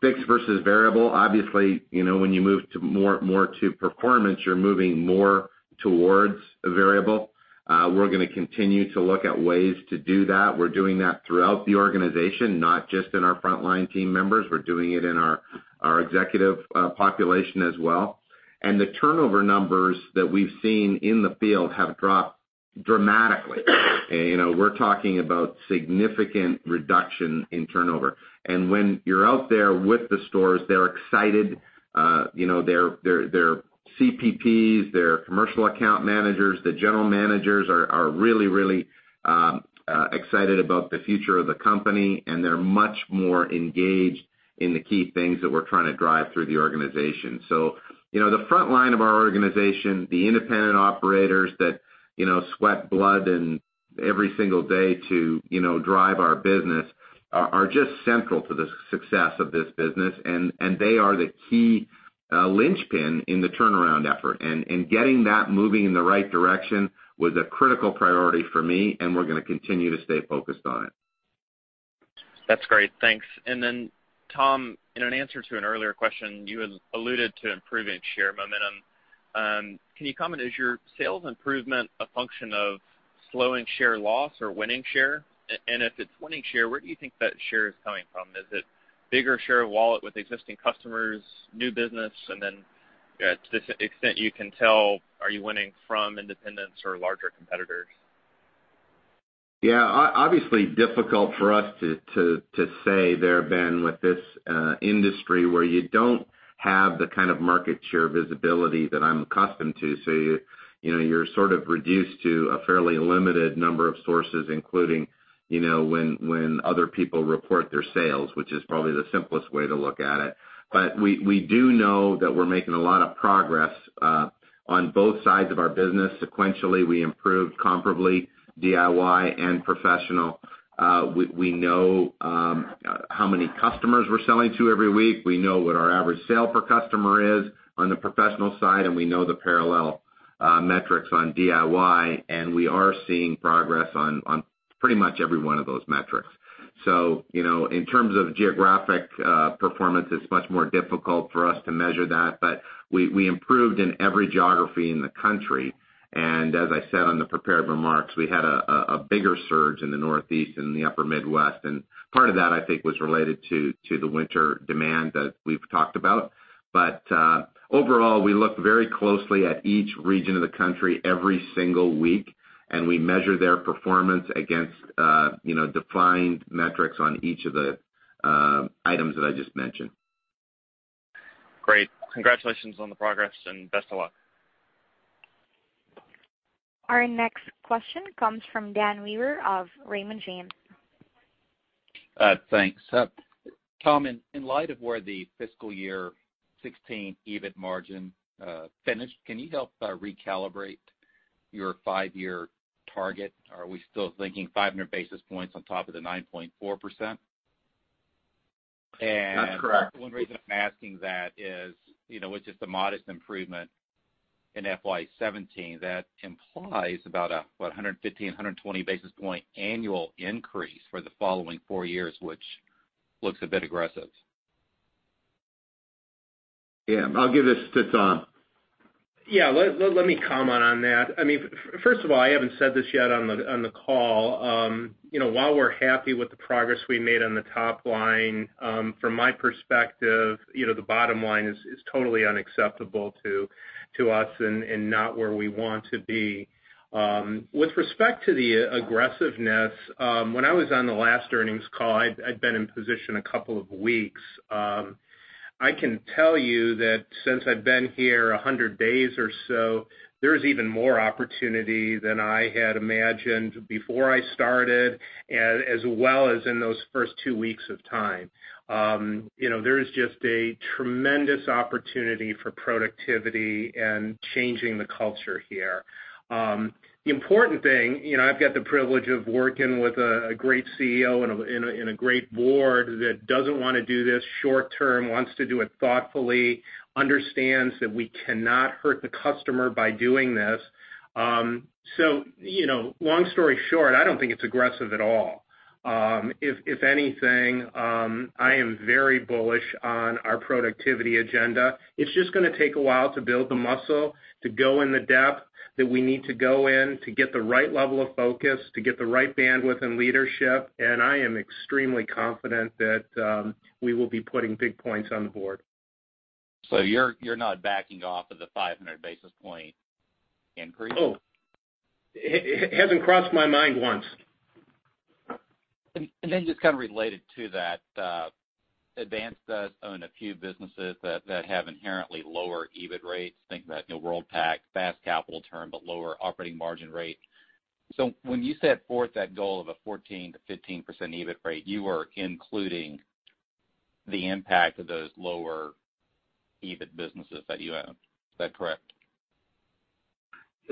Fixed versus variable, obviously, when you move more to performance, you're moving more towards variable. We're going to continue to look at ways to do that. We're doing that throughout the organization, not just in our frontline team members. We're doing it in our executive population as well. The turnover numbers that we've seen in the field have dropped dramatically. We're talking about significant reduction in turnover. When you're out there with the stores, they're excited. Their CPPs, their commercial account managers, the general managers are really excited about the future of the company, and they're much more engaged in the key things that we're trying to drive through the organization. The frontline of our organization, the independent operators that sweat blood every single day to drive our business, are just central to the success of this business. They are the key linchpin in the turnaround effort. Getting that moving in the right direction was a critical priority for me, and we're going to continue to stay focused on it. That's great. Thanks. Tom, in an answer to an earlier question, you had alluded to improving share momentum. Can you comment, is your sales improvement a function of slowing share loss or winning share? If it's winning share, where do you think that share is coming from? Is it bigger share of wallet with existing customers, new business? To the extent you can tell, are you winning from independents or larger competitors? Obviously difficult for us to say there, Ben, with this industry where you don't have the kind of market share visibility that I'm accustomed to. You're sort of reduced to a fairly limited number of sources, including when other people report their sales, which is probably the simplest way to look at it. We do know that we're making a lot of progress on both sides of our business. Sequentially, we improved comparably DIY and professional. We know how many customers we're selling to every week. We know what our average sale per customer is on the professional side, and we know the parallel metrics on DIY, and we are seeing progress on pretty much every one of those metrics. In terms of geographic performance, it's much more difficult for us to measure that, but we improved in every geography in the country. As I said on the prepared remarks, we had a bigger surge in the Northeast and the upper Midwest. Part of that, I think, was related to the winter demand that we've talked about. Overall, we look very closely at each region of the country every single week, and we measure their performance against defined metrics on each of the items that I just mentioned. Great. Congratulations on the progress and best of luck. Our next question comes from Daniel Weber of Raymond James. Thanks. Tom, in light of where the fiscal year 2016 EBIT margin finished, can you help recalibrate your five-year target? Are we still thinking 500 basis points on top of the 9.4%? That's correct. The one reason I'm asking that is with just a modest improvement in FY 2017, that implies about a what, 115, 120 basis point annual increase for the following four years, which looks a bit aggressive. Yeah. I'll give this to Tom. Yeah. Let me comment on that. First of all, I haven't said this yet on the call. While we're happy with the progress we made on the top line, from my perspective, the bottom line is totally unacceptable to us and not where we want to be. With respect to the aggressiveness, when I was on the last earnings call, I'd been in position a couple of weeks. I can tell you that since I've been here 100 days or so, there's even more opportunity than I had imagined before I started, as well as in those first two weeks of time. There is just a tremendous opportunity for productivity and changing the culture here. The important thing, I've got the privilege of working with a great CEO and a great board that doesn't want to do this short term, wants to do it thoughtfully, understands that we cannot hurt the customer by doing this. Long story short, I don't think it's aggressive at all. If anything, I am very bullish on our productivity agenda. It's just going to take a while to build the muscle, to go in the depth that we need to go in to get the right level of focus, to get the right bandwidth and leadership. I am extremely confident that we will be putting big points on the board. You're not backing off of the 500 basis point increase? Oh. It hasn't crossed my mind once. Just kind of related to that, Advance does own a few businesses that have inherently lower EBIT rates. Think about Worldpac, fast capital turn, but lower operating margin rate. When you set forth that goal of a 14%-15% EBIT rate, you are including the impact of those lower EBIT businesses that you own. Is that correct?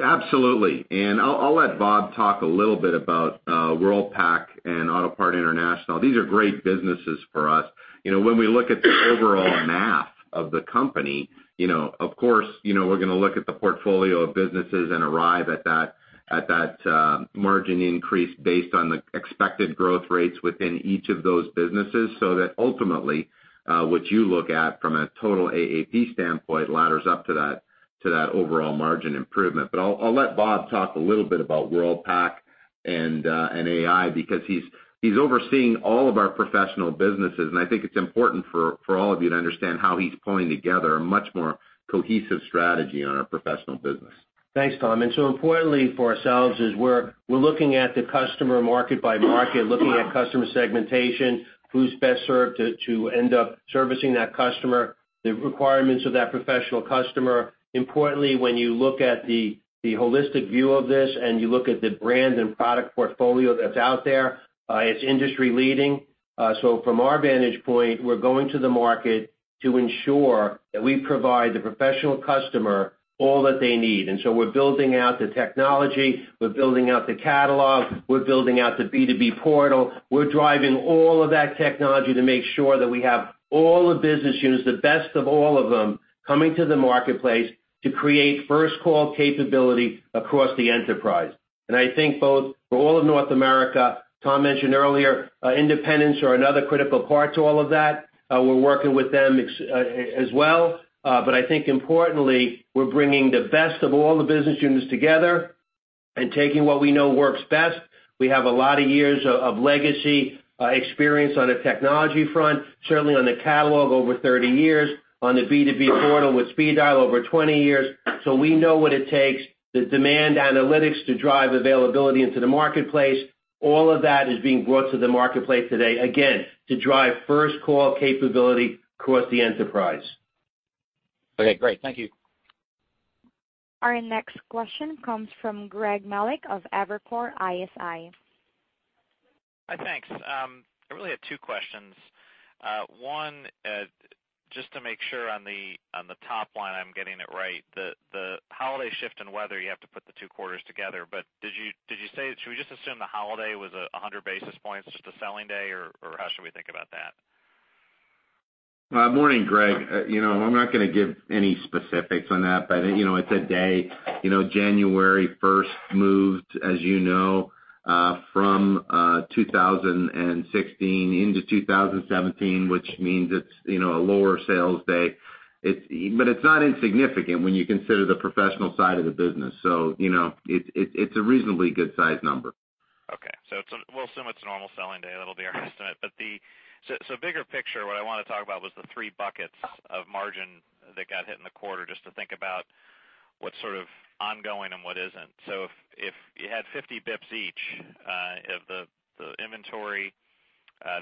Absolutely. I'll let Bob talk a little bit about Worldpac and Autopart International. These are great businesses for us. When we look at the overall math of the company, of course, we're going to look at the portfolio of businesses and arrive at that margin increase based on the expected growth rates within each of those businesses, so that ultimately, what you look at from a total AAP standpoint ladders up to that overall margin improvement. I'll let Bob talk a little bit about Worldpac and AI because he's overseeing all of our professional businesses, and I think it's important for all of you to understand how he's pulling together a much more cohesive strategy on our professional business. Thanks, Tom. Importantly for ourselves is we're looking at the customer market by market, looking at customer segmentation, who's best served to end up servicing that customer, the requirements of that professional customer. Importantly, when you look at the holistic view of this and you look at the brand and product portfolio that's out there, it's industry leading. From our vantage point, we're going to the market to ensure that we provide the professional customer all that they need. We're building out the technology, we're building out the catalog, we're building out the B2B portal. We're driving all of that technology to make sure that we have all the business units, the best of all of them, coming to the marketplace to create first call capability across the enterprise. I think both for all of North America, Tom mentioned earlier, independents are another critical part to all of that. We're working with them as well. I think importantly, we're bringing the best of all the business units together and taking what we know works best. We have a lot of years of legacy experience on the technology front, certainly on the catalog, over 30 years, on the B2B portal with SpeedE Dial, over 20 years. We know what it takes, the demand analytics to drive availability into the marketplace. All of that is being brought to the marketplace today, again, to drive first call capability across the enterprise. Okay, great. Thank you. Our next question comes from Greg Melich of Evercore ISI. Hi, thanks. I really had two questions. One, just to make sure on the top line, I'm getting it right, the holiday shift and weather, you have to put the two quarters together, but should we just assume the holiday was 100 basis points, just a selling day, or how should we think about that? Morning, Greg. I'm not going to give any specifics on that, but it's a day. January first moved, as you know, from 2016 into 2017, which means it's a lower sales day. It's not insignificant when you consider the professional side of the business. It's a reasonably good size number. Okay. We'll assume it's a normal selling day. That'll be our best estimate. Bigger picture, what I want to talk about was the three buckets of margin that got hit in the quarter, just to think about what's sort of ongoing and what isn't. If you had 50 bips each, if the inventory,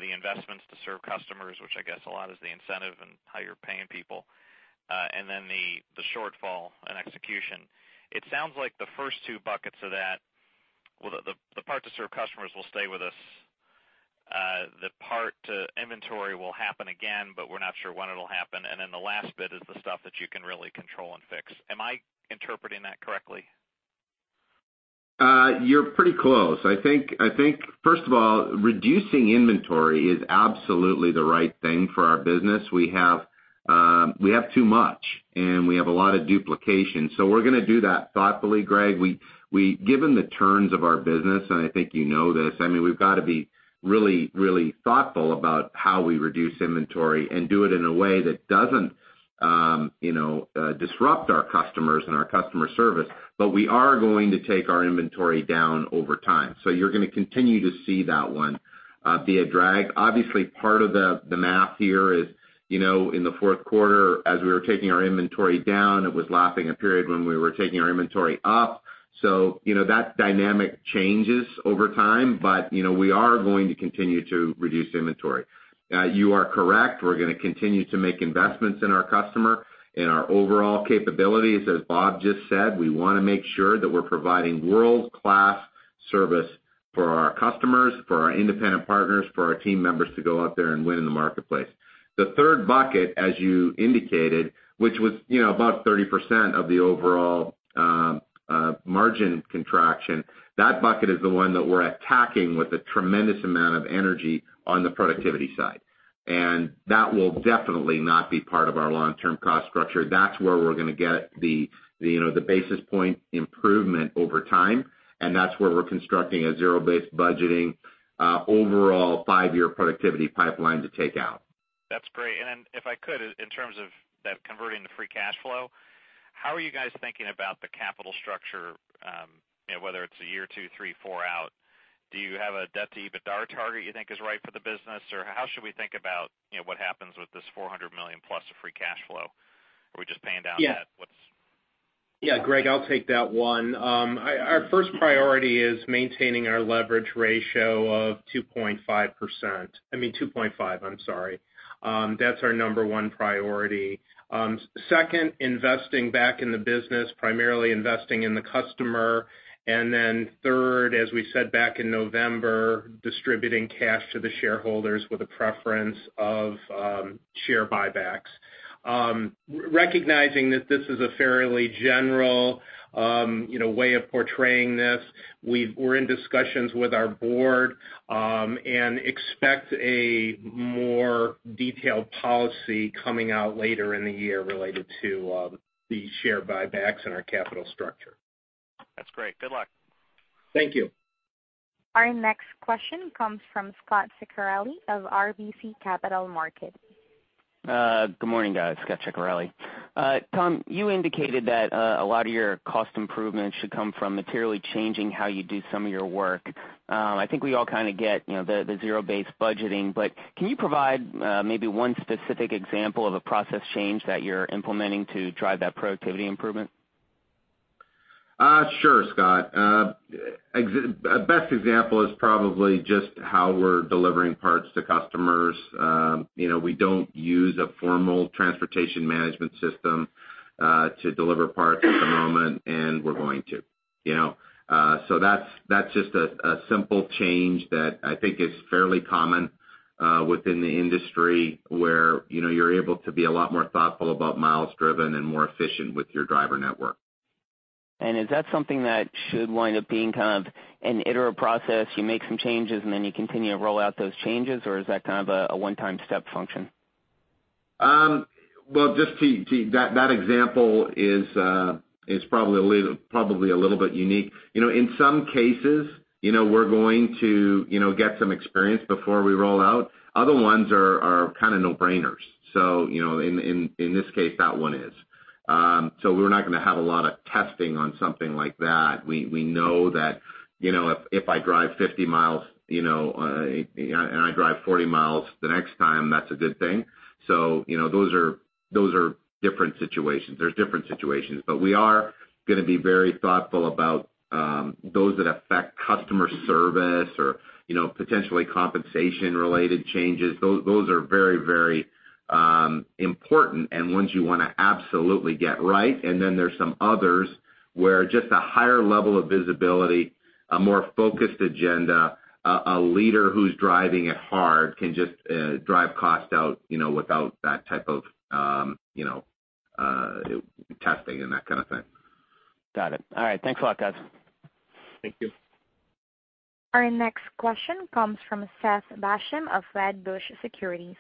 the investments to serve customers, which I guess a lot is the incentive and how you're paying people, and then the shortfall in execution. It sounds like the first two buckets of that, the part to serve customers will stay with us. The part inventory will happen again, but we're not sure when it'll happen. The last bit is the stuff that you can really control and fix. Am I interpreting that correctly? You're pretty close. I think, first of all, reducing inventory is absolutely the right thing for our business. We have too much, and we have a lot of duplication. We're going to do that thoughtfully, Greg. Given the turns of our business, and I think you know this, we've got to be really thoughtful about how we reduce inventory and do it in a way that doesn't disrupt our customers and our customer service. We are going to take our inventory down over time. You're going to continue to see that one be a drag. Obviously, part of the math here is in the fourth quarter, as we were taking our inventory down, it was lapping a period when we were taking our inventory up. That dynamic changes over time. We are going to continue to reduce inventory. You are correct. We're going to continue to make investments in our customer, in our overall capabilities. As Bob just said, we want to make sure that we're providing world-class service for our customers, for our independent partners, for our team members to go out there and win in the marketplace. The third bucket, as you indicated, which was about 30% of the overall margin contraction, that bucket is the one that we're attacking with a tremendous amount of energy on the productivity side. That will definitely not be part of our long-term cost structure. That's where we're going to get the basis point improvement over time, and that's where we're constructing a zero-based budgeting, overall five-year productivity pipeline to take out. That's great. If I could, in terms of that converting to free cash flow, how are you guys thinking about the capital structure? Whether it's a year or two, three, four out, do you have a debt-to-EBITDA target you think is right for the business? Or how should we think about what happens with this $400 million plus of free cash flow? Are we just paying down debt? Yeah, Greg, I'll take that one. Our first priority is maintaining our leverage ratio of 2.5%. That's our number 1 priority. Second, investing back in the business, primarily investing in the customer, and then third, as we said back in November, distributing cash to the shareholders with a preference of share buybacks. Recognizing that this is a fairly general way of portraying this, we're in discussions with our board and expect a more detailed policy coming out later in the year related to the share buybacks and our capital structure. That's great. Good luck. Thank you. Our next question comes from Scot Ciccarelli of RBC Capital Markets. Good morning, guys. Scot Ciccarelli. Tom, you indicated that a lot of your cost improvements should come from materially changing how you do some of your work. I think we all kind of get the zero-based budgeting, can you provide maybe one specific example of a process change that you're implementing to drive that productivity improvement? Sure, Scot. Best example is probably just how we're delivering parts to customers. We don't use a formal transportation management system to deliver parts at the moment, and we're going to. That's just a simple change that I think is fairly common within the industry, where you're able to be a lot more thoughtful about miles driven and more efficient with your driver network. Is that something that should wind up being kind of an iterative process? You make some changes, and then you continue to roll out those changes, or is that kind of a one-time step function? That example is probably a little bit unique. In some cases, we're going to get some experience before we roll out. Other ones are kind of no-brainers. In this case, that one is. We're not going to have a lot of testing on something like that. We know that if I drive 50 miles, and I drive 40 miles the next time, that's a good thing. Those are different situations. There's different situations, but we are going to be very thoughtful about those that affect customer service or potentially compensation-related changes. Those are very important and ones you want to absolutely get right. Then there's some others where just a higher level of visibility, a more focused agenda, a leader who's driving it hard can just drive cost out without that type of testing and that kind of thing. Got it. All right. Thanks a lot, guys. Thank you. Our next question comes from Seth Basham of Wedbush Securities.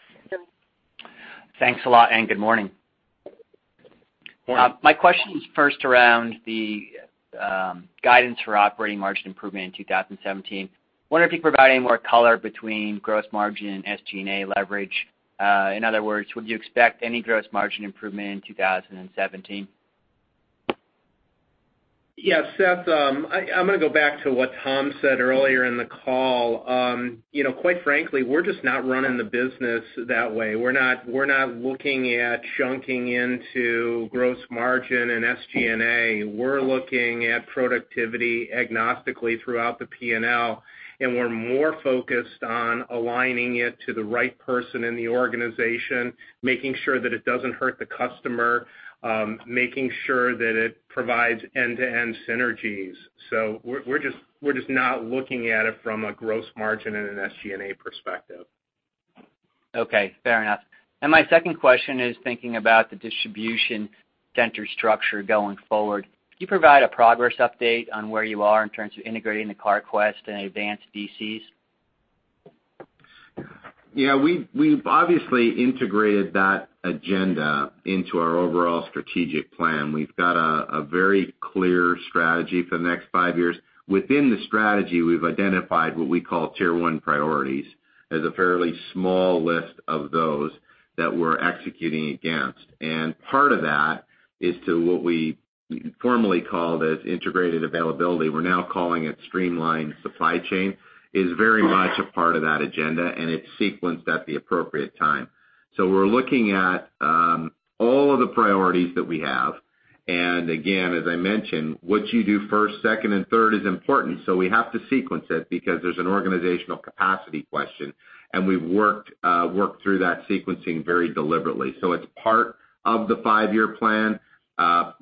Thanks a lot, good morning. Morning. My question is first around the guidance for operating margin improvement in 2017. Wondering if you could provide any more color between gross margin and SG&A leverage. In other words, would you expect any gross margin improvement in 2017? Yeah, Seth, I'm going to go back to what Tom said earlier in the call. Quite frankly, we're just not running the business that way. We're not looking at chunking into gross margin and SG&A. We're looking at productivity agnostically throughout the P&L, and we're more focused on aligning it to the right person in the organization, making sure that it doesn't hurt the customer, making sure that it provides end-to-end synergies. We're just not looking at it from a gross margin and an SG&A perspective. Okay, fair enough. My second question is thinking about the distribution center structure going forward. Can you provide a progress update on where you are in terms of integrating the Carquest and Advance DCs? Yeah, we've obviously integrated that agenda into our overall strategic plan. We've got a very clear strategy for the next five years. Within the strategy, we've identified what we call tier 1 priorities. There's a fairly small list of those that we're executing against. Part of that is to what we formally called as integrated availability, we're now calling it streamlined supply chain, is very much a part of that agenda, and it's sequenced at the appropriate time. We're looking at all of the priorities that we have. Again, as I mentioned, what you do first, second, and third is important. We have to sequence it because there's an organizational capacity question, and we've worked through that sequencing very deliberately. It's part of the five-year plan.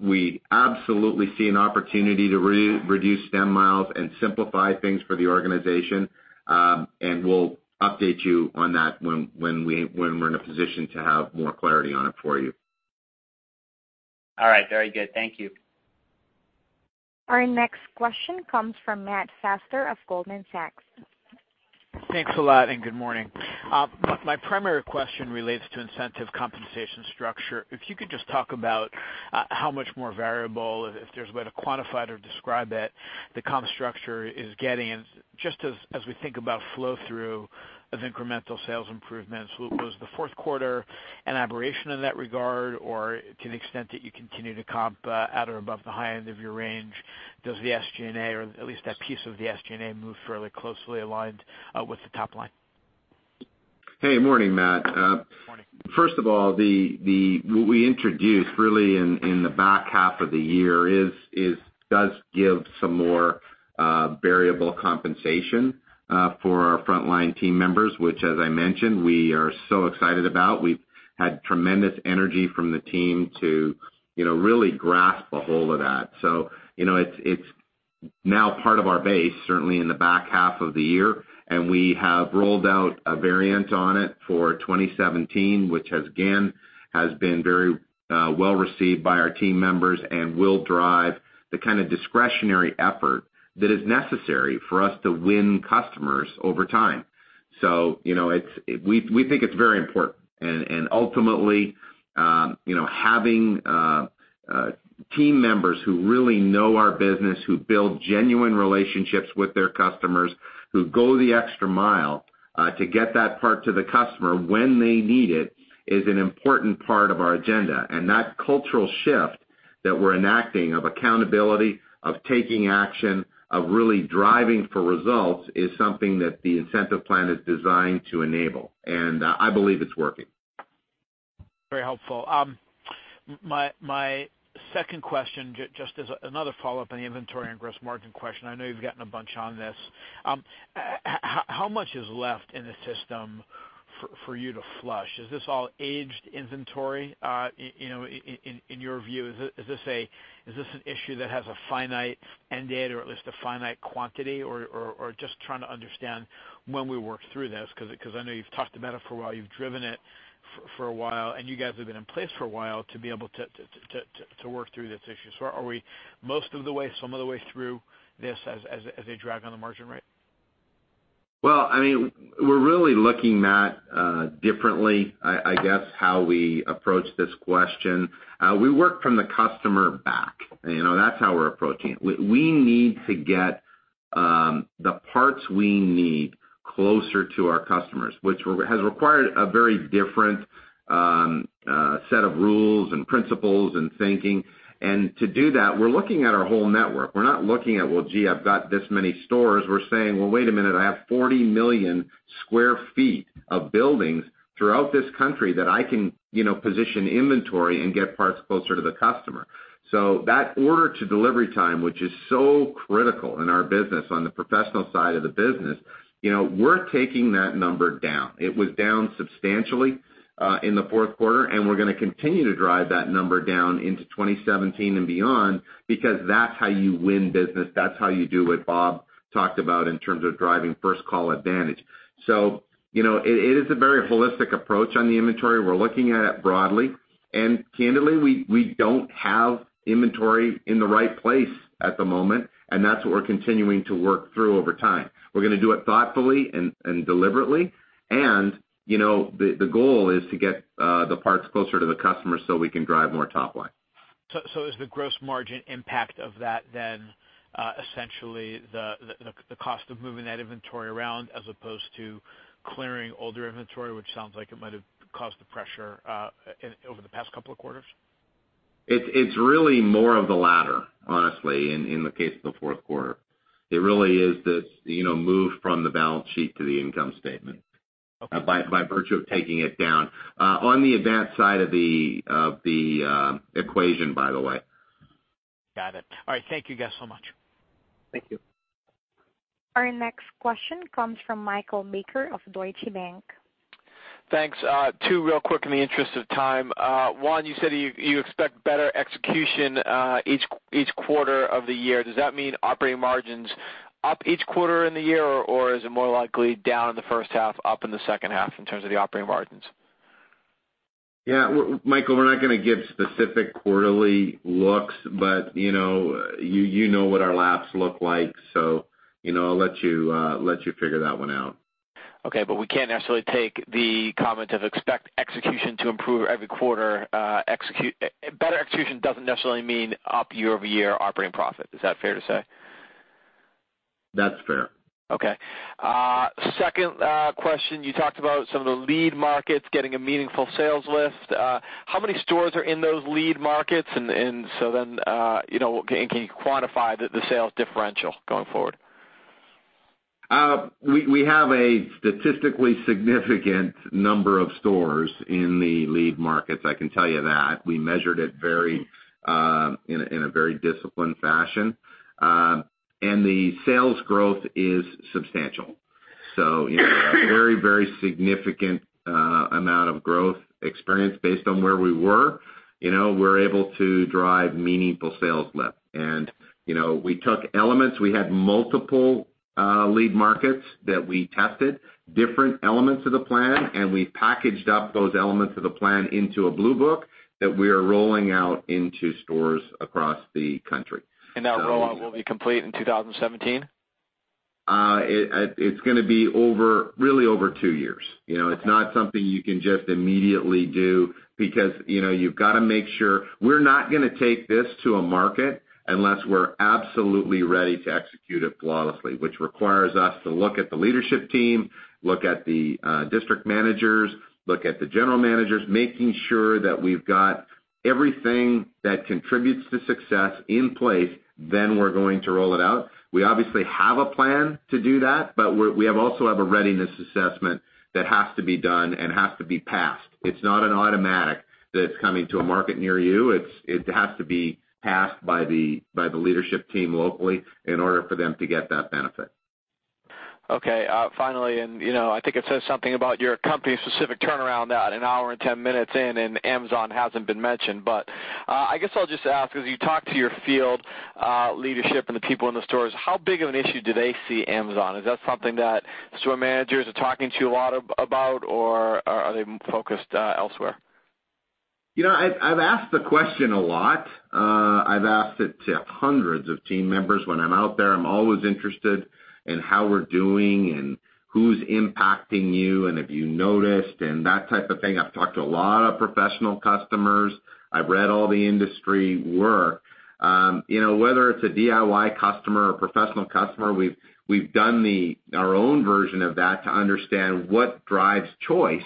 We absolutely see an opportunity to reduce stem miles and simplify things for the organization. We'll update you on that when we're in a position to have more clarity on it for you. All right. Very good. Thank you. Our next question comes from Matt Fassler of Goldman Sachs. Thanks a lot. Good morning. My primary question relates to incentive compensation structure. If you could just talk about how much more variable, if there's a way to quantify it or describe it, the comp structure is getting, just as we think about flow-through of incremental sales improvements. Was the fourth quarter an aberration in that regard? To the extent that you continue to comp at or above the high end of your range, does the SG&A, or at least that piece of the SG&A, move fairly closely aligned with the top line? Hey, morning, Matt. Morning. First of all, what we introduced really in the back half of the year does give some more variable compensation for our frontline team members, which as I mentioned, we are so excited about. We've had tremendous energy from the team to really grasp a hold of that. It's now part of our base, certainly in the back half of the year, and we have rolled out a variant on it for 2017, which again, has been very well received by our team members and will drive the kind of discretionary effort that is necessary for us to win customers over time. We think it's very important. Ultimately, having team members who really know our business, who build genuine relationships with their customers, who go the extra mile to get that part to the customer when they need it, is an important part of our agenda. That cultural shift that we're enacting of accountability, of taking action, of really driving for results, is something that the incentive plan is designed to enable. I believe it's working. Very helpful. My second question, just as another follow-up on the inventory and gross margin question, I know you've gotten a bunch on this. How much is left in the system for you to flush? Is this all aged inventory? In your view, is this an issue that has a finite end date or at least a finite quantity? Just trying to understand when we work through this, because I know you've talked about it for a while, you've driven it for a while, and you guys have been in place for a while to be able to work through this issue. Are we most of the way, some of the way through this as a drag on the margin rate? Well, we're really looking, Matt, differently, I guess, how we approach this question. We work from the customer back. That's how we're approaching it. We need to get the parts we need closer to our customers, which has required a very different set of rules and principles and thinking. To do that, we're looking at our whole network. We're not looking at, well, gee, I've got this many stores. We're saying, well, wait a minute, I have 40 million sq ft of buildings throughout this country that I can position inventory and get parts closer to the customer. That order to delivery time, which is so critical in our business on the professional side of the business, we're taking that number down. It was down substantially in the fourth quarter, we're going to continue to drive that number down into 2017 and beyond because that's how you win business. That's how you do what Bob talked about in terms of driving first call advantage. It is a very holistic approach on the inventory. We're looking at it broadly, candidly, we don't have inventory in the right place at the moment, and that's what we're continuing to work through over time. We're going to do it thoughtfully and deliberately. The goal is to get the parts closer to the customer so we can drive more top line. Is the gross margin impact of that then essentially the cost of moving that inventory around as opposed to clearing older inventory, which sounds like it might have caused the pressure over the past couple of quarters? It's really more of the latter, honestly, in the case of the fourth quarter. It really is this move from the balance sheet to the income statement by virtue of taking it down. On the Advance side of the equation, by the way. Got it. All right. Thank you guys so much. Thank you. Our next question comes from Michael Baker of Deutsche Bank. Thanks. Two real quick in the interest of time. One, you said you expect better execution each quarter of the year. Does that mean operating margins up each quarter in the year, or is it more likely down in the first half, up in the second half in terms of the operating margins? Yeah. Michael, we're not going to give specific quarterly looks, but you know what our laps look like, so I'll let you figure that one out. Okay. We can't necessarily take the comment of expect execution to improve every quarter, better execution doesn't necessarily mean up year-over-year operating profit. Is that fair to say? That's fair. Okay. Second question, you talked about some of the lead markets getting a meaningful sales lift. How many stores are in those lead markets? Can you quantify the sales differential going forward? We have a statistically significant number of stores in the lead markets, I can tell you that. We measured it in a very disciplined fashion. The sales growth is substantial. A very significant amount of growth experience based on where we were. We're able to drive meaningful sales lift. We took elements, we had multiple lead markets that we tested, different elements of the plan, and we packaged up those elements of the plan into a Blue Book that we are rolling out into stores across the country. That rollout will be complete in 2017? It's going to be really over two years. Okay. It's not something you can just immediately do, because you've got to make sure. We're not going to take this to a market unless we're absolutely ready to execute it flawlessly, which requires us to look at the leadership team, look at the district managers, look at the general managers, making sure that we've got everything that contributes to success in place, then we're going to roll it out. We obviously have a plan to do that, but we also have a readiness assessment that has to be done and has to be passed. It's not an automatic that it's coming to a market near you. It has to be passed by the leadership team locally in order for them to get that benefit. Okay. Finally, I think it says something about your company-specific turnaround that an hour and 10 minutes in and Amazon hasn't been mentioned. I guess I'll just ask, as you talk to your field leadership and the people in the stores, how big of an issue do they see Amazon? Is that something that store managers are talking to you a lot about, or are they focused elsewhere? I've asked the question a lot. I've asked it to hundreds of team members when I'm out there. I'm always interested in how we're doing and who's impacting you, and have you noticed, and that type of thing. I've talked to a lot of professional customers. I've read all the industry work. Whether it's a DIY customer or a professional customer, we've done our own version of that to understand what drives choice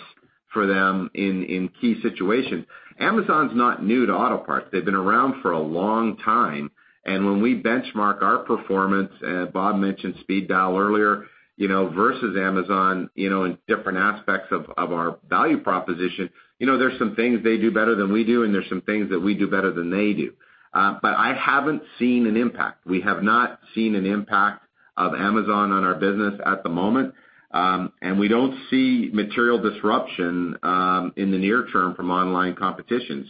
for them in key situations. Amazon's not new to auto parts. They've been around for a long time, and when we benchmark our performance, Bob mentioned Speed Dial earlier, versus Amazon in different aspects of our value proposition, there's some things they do better than we do, and there's some things that we do better than they do. I haven't seen an impact. We have not seen an impact of Amazon on our business at the moment, and we don't see material disruption in the near term from online competition.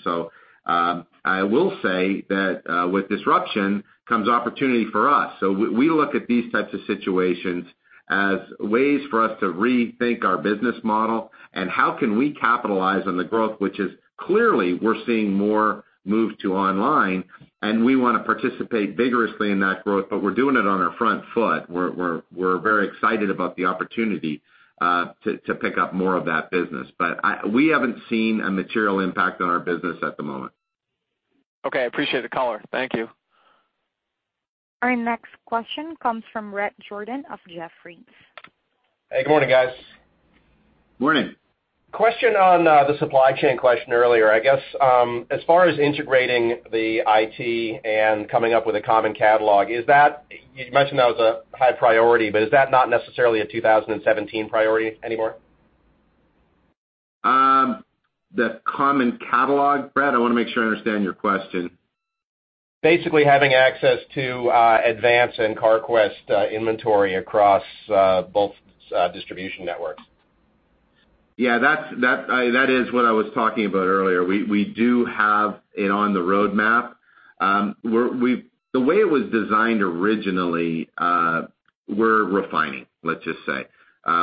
I will say that with disruption comes opportunity for us. We look at these types of situations as ways for us to rethink our business model and how can we capitalize on the growth, which is clearly we're seeing more move to online, and we want to participate vigorously in that growth, but we're doing it on our front foot. We're very excited about the opportunity to pick up more of that business. We haven't seen a material impact on our business at the moment. Okay. I appreciate the color. Thank you. Our next question comes from Bret Jordan of Jefferies. Hey, good morning, guys. Morning. Question on the supply chain question earlier, I guess, as far as integrating the IT and coming up with a common catalog, you mentioned that was a high priority. Is that not necessarily a 2017 priority anymore? The common catalog, Bret? I want to make sure I understand your question. Basically, having access to Advance and Carquest inventory across both distribution networks. Yeah, that is what I was talking about earlier. We do have it on the roadmap. The way it was designed originally, we're refining, let's just say.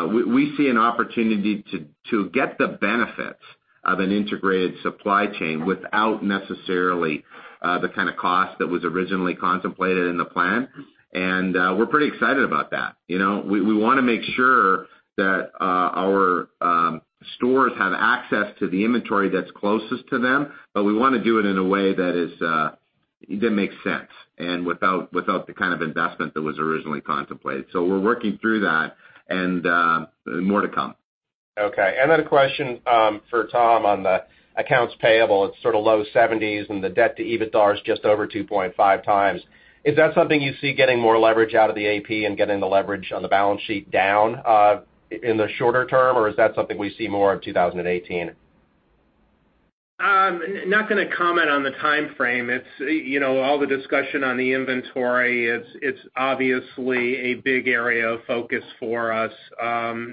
We see an opportunity to get the benefits of an integrated supply chain without necessarily the kind of cost that was originally contemplated in the plan. We're pretty excited about that. We want to make sure that our stores have access to the inventory that's closest to them, but we want to do it in a way that makes sense and without the kind of investment that was originally contemplated. We're working through that, and more to come. Okay. Then a question for Tom on the accounts payable. It's sort of low 70s, and the debt to EBITDA is just over 2.5x. Is that something you see getting more leverage out of the AP and getting the leverage on the balance sheet down in the shorter term, or is that something we see more of 2018? I'm not going to comment on the timeframe. All the discussion on the inventory, it's obviously a big area of focus for us.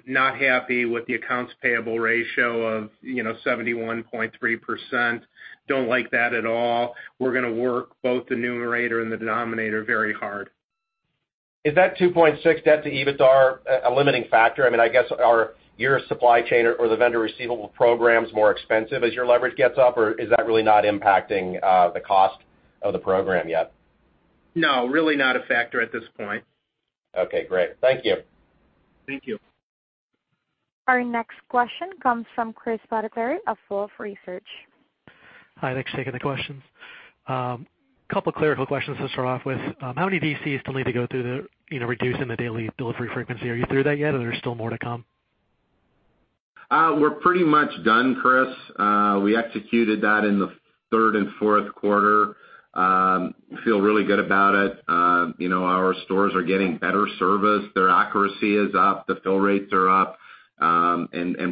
Not happy with the accounts payable ratio of 71.3%. Don't like that at all. We're going to work both the numerator and the denominator very hard. Is that 2.6 debt to EBITDA a limiting factor? I guess, are your supply chain or the vendor receivable programs more expensive as your leverage gets up, or is that really not impacting the cost of the program yet? No, really not a factor at this point. Okay, great. Thank you. Thank you. Our next question comes from Chris Baddeley of Wolfe Research. Hi, thanks for taking the questions. Couple of clerical questions to start off with. How many DCs still need to go through the, reducing the daily delivery frequency? Are you through that yet, or there's still more to come? We're pretty much done, Chris. We executed that in the third and fourth quarter. Feel really good about it. Our stores are getting better service. Their accuracy is up, the fill rates are up.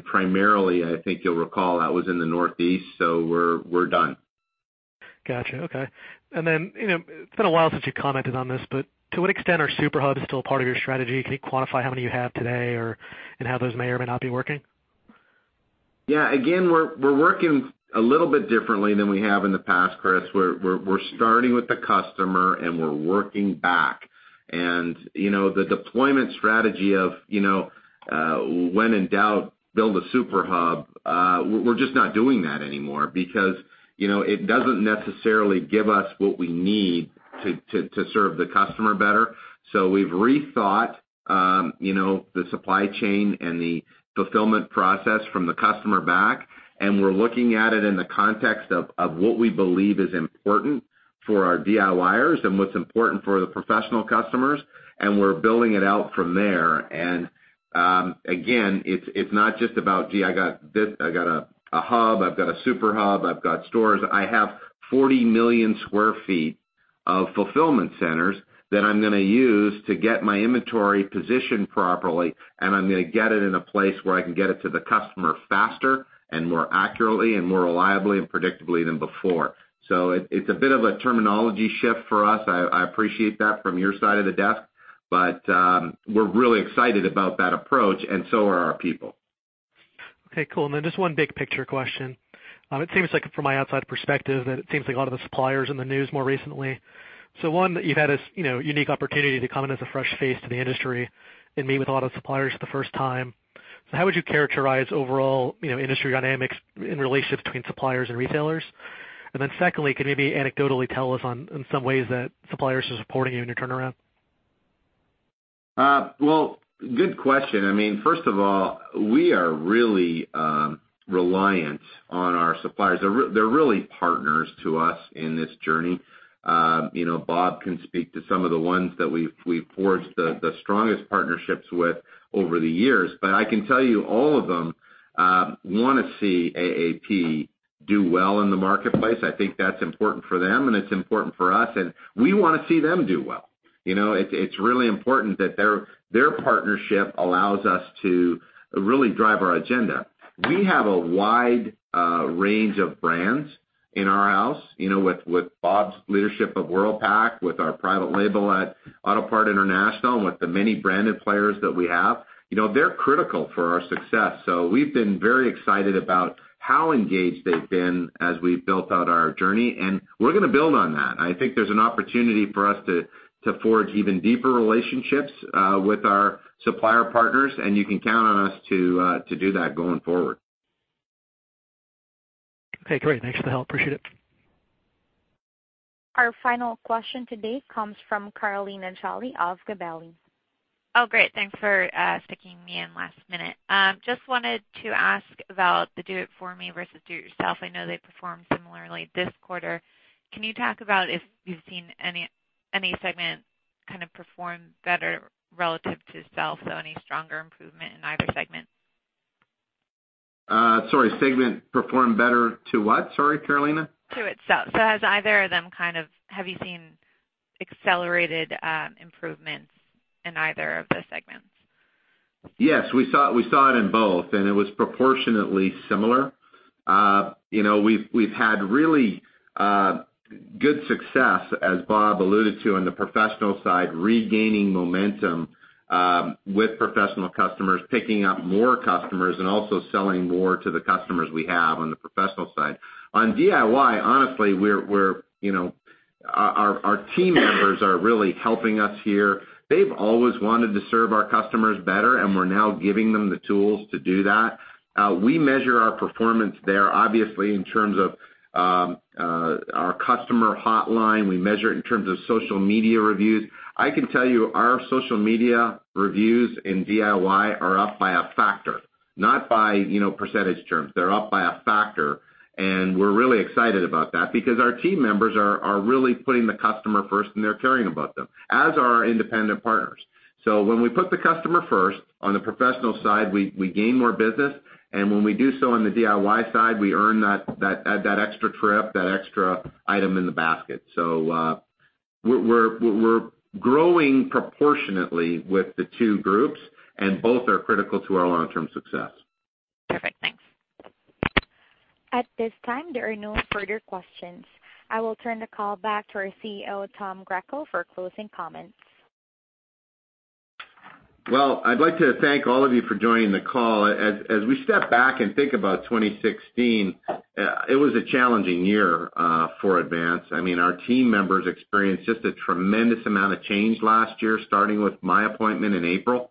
Primarily, I think you'll recall that was in the Northeast. We're done. Got you. Okay. It's been a while since you commented on this, but to what extent are super hubs still part of your strategy? Can you quantify how many you have today or how those may or may not be working? Yeah. Again, we're working a little bit differently than we have in the past, Chris. We're starting with the customer, we're working back, the deployment strategy of, when in doubt, build a super hub, we're just not doing that anymore because it doesn't necessarily give us what we need to serve the customer better. We've rethought the supply chain and the fulfillment process from the customer back, and we're looking at it in the context of what we believe is important for our DIYers and what's important for the professional customers, and we're building it out from there. Again, it's not just about, gee, I got a hub, I've got a super hub, I've got stores. I have 40 million sq ft of fulfillment centers that I'm gonna use to get my inventory positioned properly, and I'm gonna get it in a place where I can get it to the customer faster and more accurately and more reliably and predictably than before. It's a bit of a terminology shift for us. I appreciate that from your side of the desk. We're really excited about that approach, and so are our people. Okay, cool. Just one big picture question. It seems like from my outside perspective that it seems like a lot of the suppliers in the news more recently. One, you've had a unique opportunity to come in as a fresh face to the industry and meet with a lot of suppliers for the first time. How would you characterize overall industry dynamics in relationship between suppliers and retailers? Secondly, could you maybe anecdotally tell us on some ways that suppliers are supporting you in your turnaround? Well, good question. First of all, we are really reliant on our suppliers. They're really partners to us in this journey. Bob can speak to some of the ones that we've forged the strongest partnerships with over the years, but I can tell you all of them want to see AAP do well in the marketplace. I think that's important for them, and it's important for us, and we want to see them do well. It's really important that their partnership allows us to really drive our agenda. We have a wide range of brands in our house, with Bob's leadership of Worldpac, with our private label at Autopart International, and with the many branded players that we have. They're critical for our success. We've been very excited about how engaged they've been as we've built out our journey, and we're gonna build on that. I think there's an opportunity for us to forge even deeper relationships with our supplier partners, and you can count on us to do that going forward. Okay, great. Thanks for the help. Appreciate it. Our final question today comes from Carolina Jolly of Gabelli. Oh, great. Thanks for sticking me in last minute. Just wanted to ask about the Do-It-For-Me versus Do-It-Yourself. I know they performed similarly this quarter. Can you talk about if you've seen any segment perform better relative to self, any stronger improvement in either segment? Sorry, segment performed better to what? Sorry, Carolina. To itself. Has either of them have you seen accelerated improvements in either of the segments? Yes. We saw it in both. It was proportionately similar. We've had really good success, as Bob alluded to on the professional side, regaining momentum with professional customers, picking up more customers, and also selling more to the customers we have on the professional side. On DIY, honestly, our team members are really helping us here. They've always wanted to serve our customers better, and we're now giving them the tools to do that. We measure our performance there, obviously, in terms of our customer hotline. We measure it in terms of social media reviews. I can tell you our social media reviews in DIY are up by a factor. Not by percentage terms. They're up by a factor, and we're really excited about that because our team members are really putting the customer first, and they're caring about them, as are our independent partners. When we put the customer first on the professional side, we gain more business. When we do so on the DIY side, we earn that extra trip, that extra item in the basket. We're growing proportionately with the two groups, and both are critical to our long-term success. Perfect. Thanks. At this time, there are no further questions. I will turn the call back to our CEO, Tom Greco, for closing comments. Well, I'd like to thank all of you for joining the call. As we step back and think about 2016, it was a challenging year for Advance. Our team members experienced just a tremendous amount of change last year, starting with my appointment in April.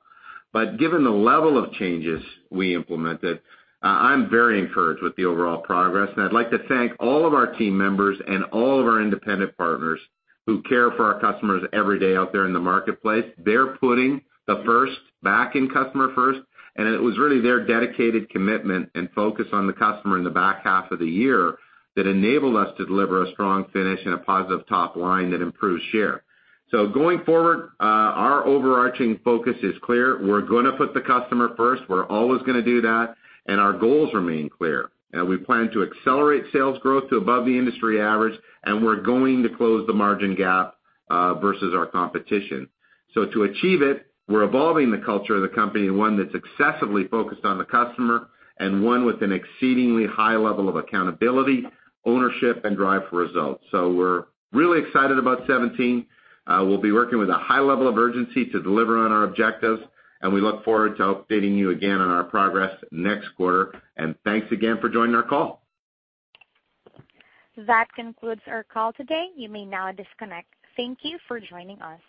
Given the level of changes we implemented, I'm very encouraged with the overall progress, and I'd like to thank all of our team members and all of our independent partners who care for our customers every day out there in the marketplace. They're putting the first back in customer first, and it was really their dedicated commitment and focus on the customer in the back half of the year that enabled us to deliver a strong finish and a positive top line that improves share. Going forward, our overarching focus is clear. We're gonna put the customer first. We're always gonna do that. Our goals remain clear. We plan to accelerate sales growth to above the industry average. We're going to close the margin gap versus our competition. To achieve it, we're evolving the culture of the company to one that's excessively focused on the customer and one with an exceedingly high level of accountability, ownership, and drive for results. We're really excited about 2017. We'll be working with a high level of urgency to deliver on our objectives. We look forward to updating you again on our progress next quarter. Thanks again for joining our call. That concludes our call today. You may now disconnect. Thank you for joining us.